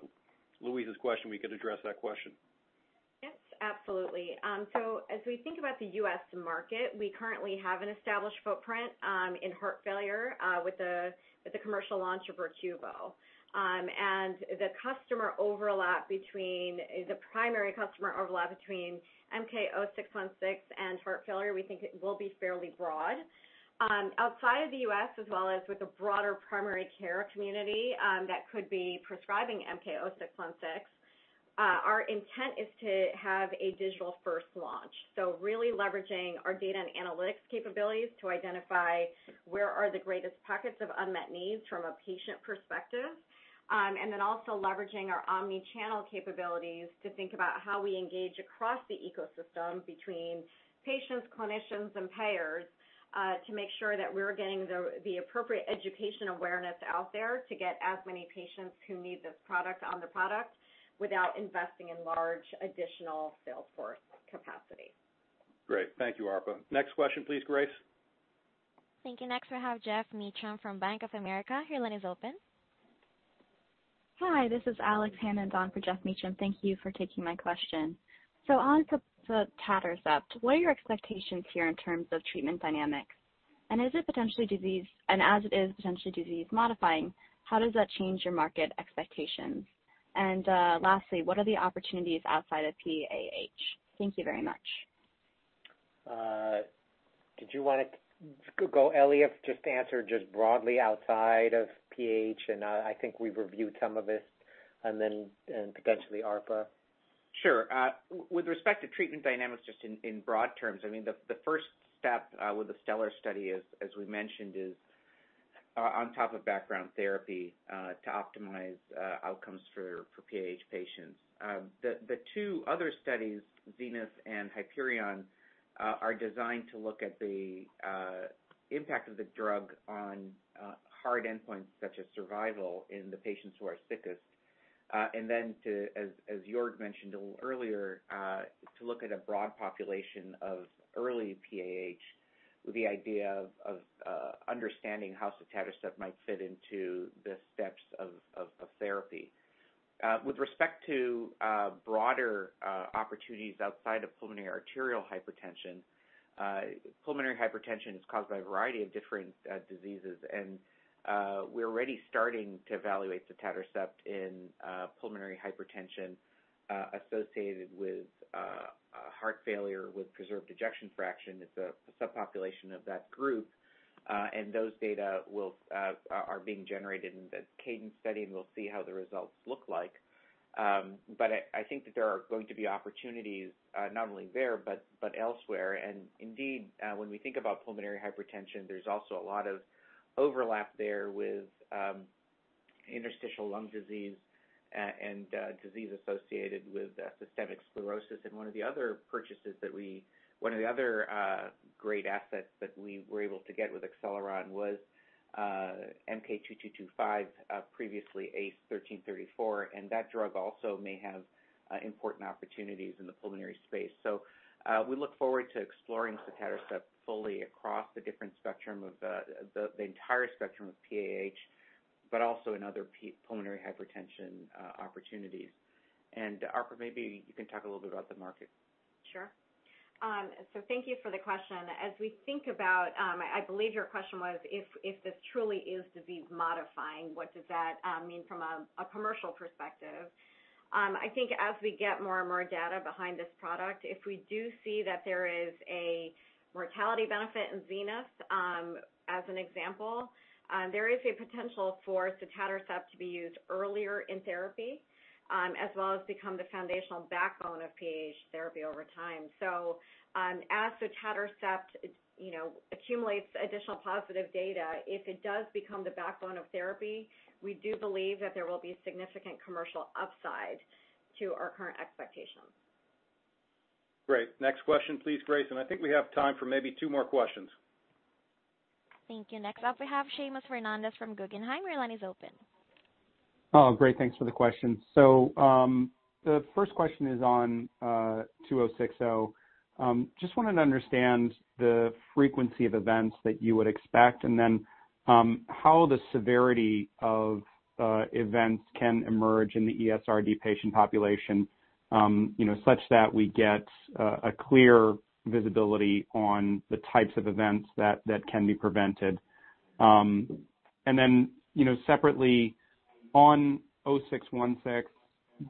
Louise's question, we could address that question. Yes, absolutely. As we think about the U.S. market, we currently have an established footprint in heart failure with the commercial launch of VERQUVO. The primary customer overlap between MK-0616 and heart failure, we think it will be fairly broad. Outside of the U.S. as well as with the broader primary care community that could be prescribing MK-0616, our intent is to have a digital first launch. Really leveraging our data and analytics capabilities to identify where are the greatest pockets of unmet needs from a patient perspective. leveraging our omni-channel capabilities to think about how we engage across the ecosystem between patients, clinicians, and payers, to make sure that we're getting the appropriate education awareness out there to get as many patients who need this product on the product without investing in large additional sales force capacity. Great. Thank you, Arpa. Next question please, Grace. Thank you. Next we have Geoff Meacham from Bank of America. Your line is open. Hi, this is Alex Hammond on for Geoff Meacham. Thank you for taking my question. On to the Sotatercept, what are your expectations here in terms of treatment dynamics? Is it potentially disease modifying, how does that change your market expectations? Lastly, what are the opportunities outside of PAH? Thank you very much. Did you want to go, Eliav? Just answer broadly outside of PH, and I think we've reviewed some of this and then potentially Arpa. Sure. With respect to treatment dynamics, just in broad terms, I mean, the first step with the STELLAR study, as we mentioned, is on top of background therapy to optimize outcomes for PH patients. The two other studies, ZENITH and HYPERION, are designed to look at the impact of the drug on hard endpoints such as survival in the patients who are sickest. As Joerg mentioned a little earlier, to look at a broad population of early PAH with the idea of understanding how Sotatercept might fit into the steps of therapy. With respect to broader opportunities outside of pulmonary arterial hypertension, pulmonary hypertension is caused by a variety of different diseases. We're already starting to evaluate Sotatercept in pulmonary hypertension associated with heart failure with preserved ejection fraction. It's a subpopulation of that group, and those data are being generated in the CADENCE study, and we'll see how the results look like. I think that there are going to be opportunities not only there, but elsewhere. Indeed, when we think about pulmonary hypertension, there's also a lot of overlap there with interstitial lung disease and disease associated with systemic sclerosis. One of the other great assets that we were able to get with Acceleron was MK-2225, previously ACE-1334, and that drug also may have important opportunities in the pulmonary space. We look forward to exploring Sotatercept fully across the different spectrum of the entire spectrum of PAH, but also in other pulmonary hypertension opportunities. Arpa, maybe you can talk a little bit about the market. Sure. Thank you for the question. As we think about, I believe your question was if this truly is disease modifying, what does that mean from a commercial perspective? I think as we get more and more data behind this product, if we do see that there is a mortality benefit in ZENITH, as an example, there is a potential for Sotatercept to be used earlier in therapy, as well as become the foundational backbone of PH therapy over time. As Sotatercept, you know, accumulates additional positive data, if it does become the backbone of therapy, we do believe that there will be significant commercial upside to our current expectations. Great. Next question, please, Grace, and I think we have time for maybe two more questions. Thank you. Next up we have Seamus Fernandez from Guggenheim. Your line is open. Oh, great. Thanks for the question. The first question is on 2060. Just wanted to understand the frequency of events that you would expect and then how the severity of events can emerge in the ESRD patient population, you know, such that we get a clear visibility on the types of events that can be prevented. You know, separately on 0616,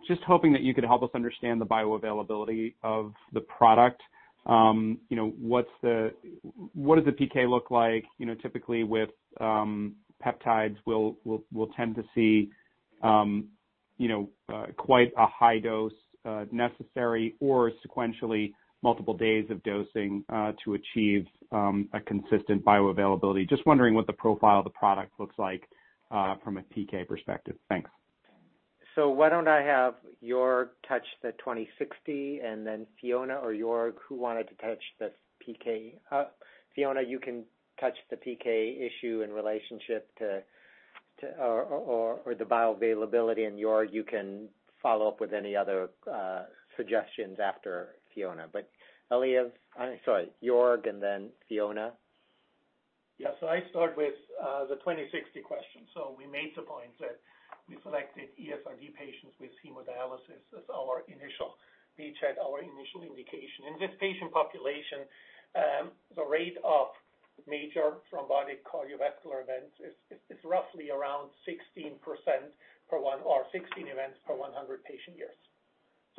just hoping that you could help us understand the bioavailability of the product. You know, what does the PK look like? You know, typically with peptides we'll tend to see, you know, quite a high dose necessary or sequentially multiple days of dosing to achieve a consistent bioavailability. Just wondering what the profile of the product looks like, from a PK perspective. Thanks. Why don't I have Joerg touch the MK-2060 and then Fiona or Joerg, who wanted to touch this PK? Fiona, you can touch the PK issue in relationship to the bioavailability. Joerg, you can follow up with any other suggestions after Fiona. Eliav, I'm sorry, Joerg and then Fiona. Yeah. I start with the MK-2060 question. We made the point that we selected ESRD patients with hemodialysis as our initial PH, our initial indication. In this patient population, the rate of major thrombotic cardiovascular events is roughly around 16% per year or 16 events per 100 patient years.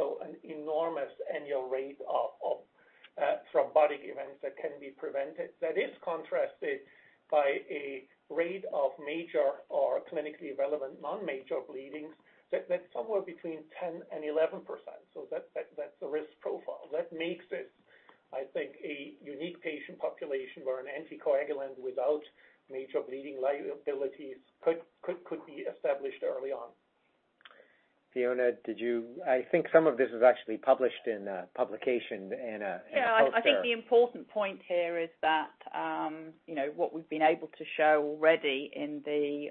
An enormous annual rate of thrombotic events that can be prevented. That is contrasted by a rate of major or clinically relevant non-major bleedings that's somewhere between 10%-11%. That's the risk profile. That makes it, I think, a unique patient population where an anticoagulant without major bleeding liabilities could be established early on. Fiona, I think some of this is actually published in a publication in a poster. Yeah. I think the important point here is that, you know, what we've been able to show already in the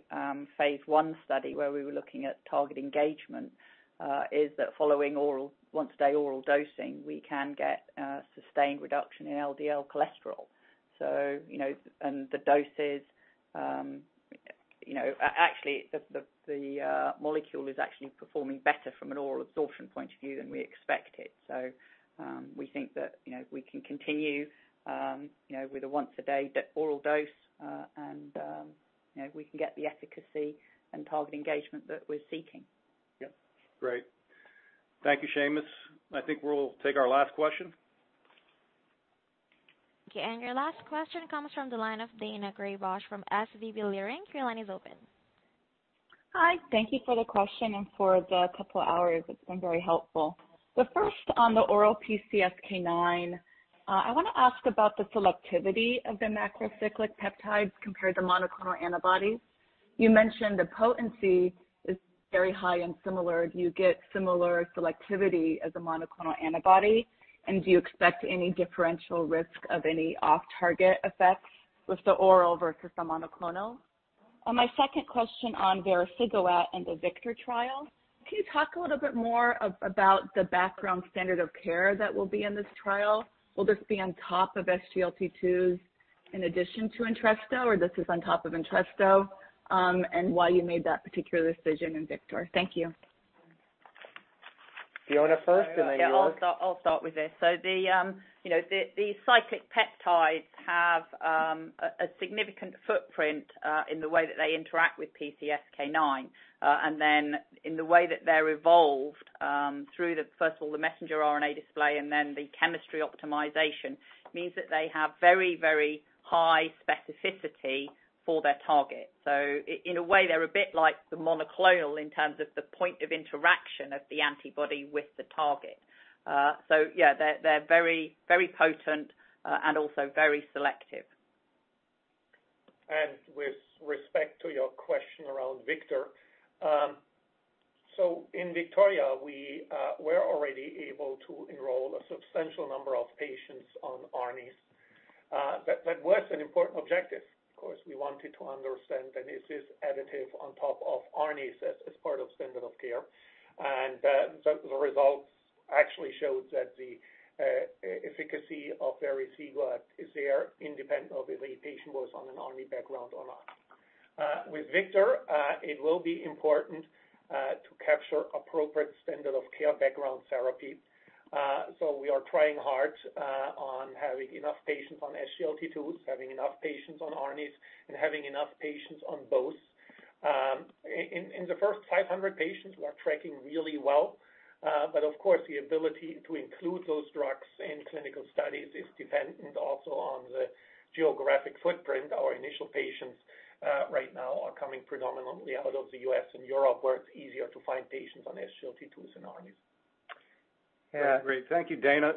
phase I study where we were looking at target engagement is that following oral, once a day oral dosing, we can get sustained reduction in LDL cholesterol. You know, actually, the molecule is actually performing better from an oral absorption point of view than we expected. We think that, you know, we can continue, you know, with a once a day oral dose, and, you know, we can get the efficacy and target engagement that we're seeking. Yeah. Great. Thank you, Seamus. I think we'll take our last question. Okay, and your last question comes from the line of Daina Graybosch from SVB Leerink. Your line is open. Hi. Thank you for the question and for the couple of hours. It's been very helpful. The first on the oral PCSK9, I wanna ask about the selectivity of the macrocyclic peptides compared to monoclonal antibodies. You mentioned the potency is very high and similar. Do you get similar selectivity as a monoclonal antibody? And do you expect any differential risk of any off-target effects with the oral versus the monoclonal? My second question on vericiguat and the VICTORIA trial. Can you talk a little bit more about the background standard of care that will be in this trial? Will this be on top of SGLT2s in addition to Entresto, or this is on top of Entresto, and why you made that particular decision in VICTORIA? Thank you. Fiona first, and then Joerg. Yeah, I'll start with this. The cyclic peptides, you know, have a significant footprint in the way that they interact with PCSK9 and then in the way that they're evolved through first of all the messenger RNA display and then the chemistry optimization means that they have very high specificity for their target. In a way, they're a bit like the monoclonal in terms of the point of interaction of the antibody with the target. Yeah, they're very potent and also very selective. With respect to your question around VICTOR. In VICTORIA, we were already able to enroll a substantial number of patients on ARNI. That was an important objective. Of course, we wanted to understand that this is additive on top of ARNI as part of standard of care. The results actually showed that the efficacy of vericiguat is there independent of if a patient was on an ARNI background or not. With VICTOR, it will be important to capture appropriate standard of care background therapy. We are trying hard on having enough patients on SGLT2, having enough patients on ARNI, and having enough patients on both. In the first 500 patients, we're tracking really well. Of course, the ability to include those drugs in clinical studies is dependent also on the geographic footprint. Our initial patients right now are coming predominantly out of the U.S. and Europe, where it's easier to find patients on SGLT2s and ARNI. Yeah. Great. Thank you, Daina.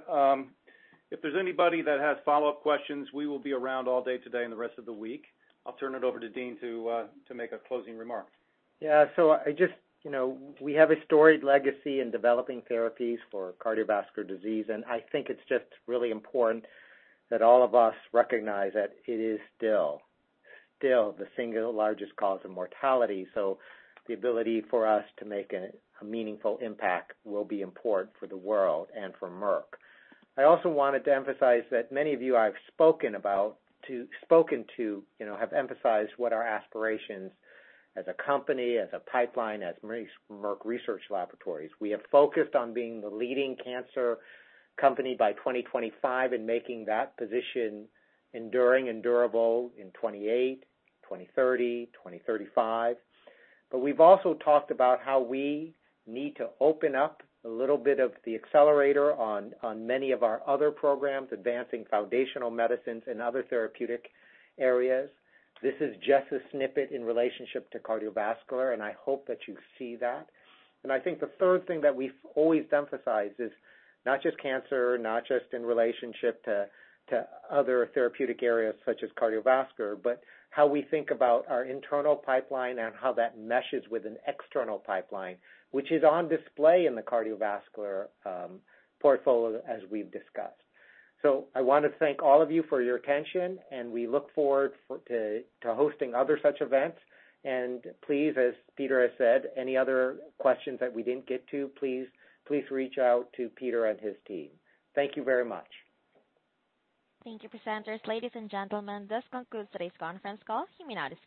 If there's anybody that has follow-up questions, we will be around all day today and the rest of the week. I'll turn it over to Dean to make our closing remarks. Yeah. I just, you know, we have a storied legacy in developing therapies for cardiovascular disease, and I think it's just really important that all of us recognize that it is still the single largest cause of mortality. The ability for us to make a meaningful impact will be important for the world and for Merck. I also wanted to emphasize that many of you I've spoken to, you know, have emphasized what our aspirations as a company, as a pipeline, as Merck Research Laboratories. We have focused on being the leading cancer company by 2025 and making that position enduring and durable in 2028, 2030, 2035. We've also talked about how we need to open up a little bit of the accelerator on many of our other programs, advancing foundational medicines in other therapeutic areas. This is just a snippet in relationship to cardiovascular, and I hope that you see that. I think the third thing that we've always emphasized is not just cancer, not just in relationship to other therapeutic areas such as cardiovascular, but how we think about our internal pipeline and how that meshes with an external pipeline, which is on display in the cardiovascular portfolio as we've discussed. I wanna thank all of you for your attention, and we look forward to hosting other such events. Please, as Peter has said, any other questions that we didn't get to, please reach out to Peter and his team. Thank you very much. Thank you, presenters. Ladies and gentlemen, this concludes today's conference call. You may now disconnect.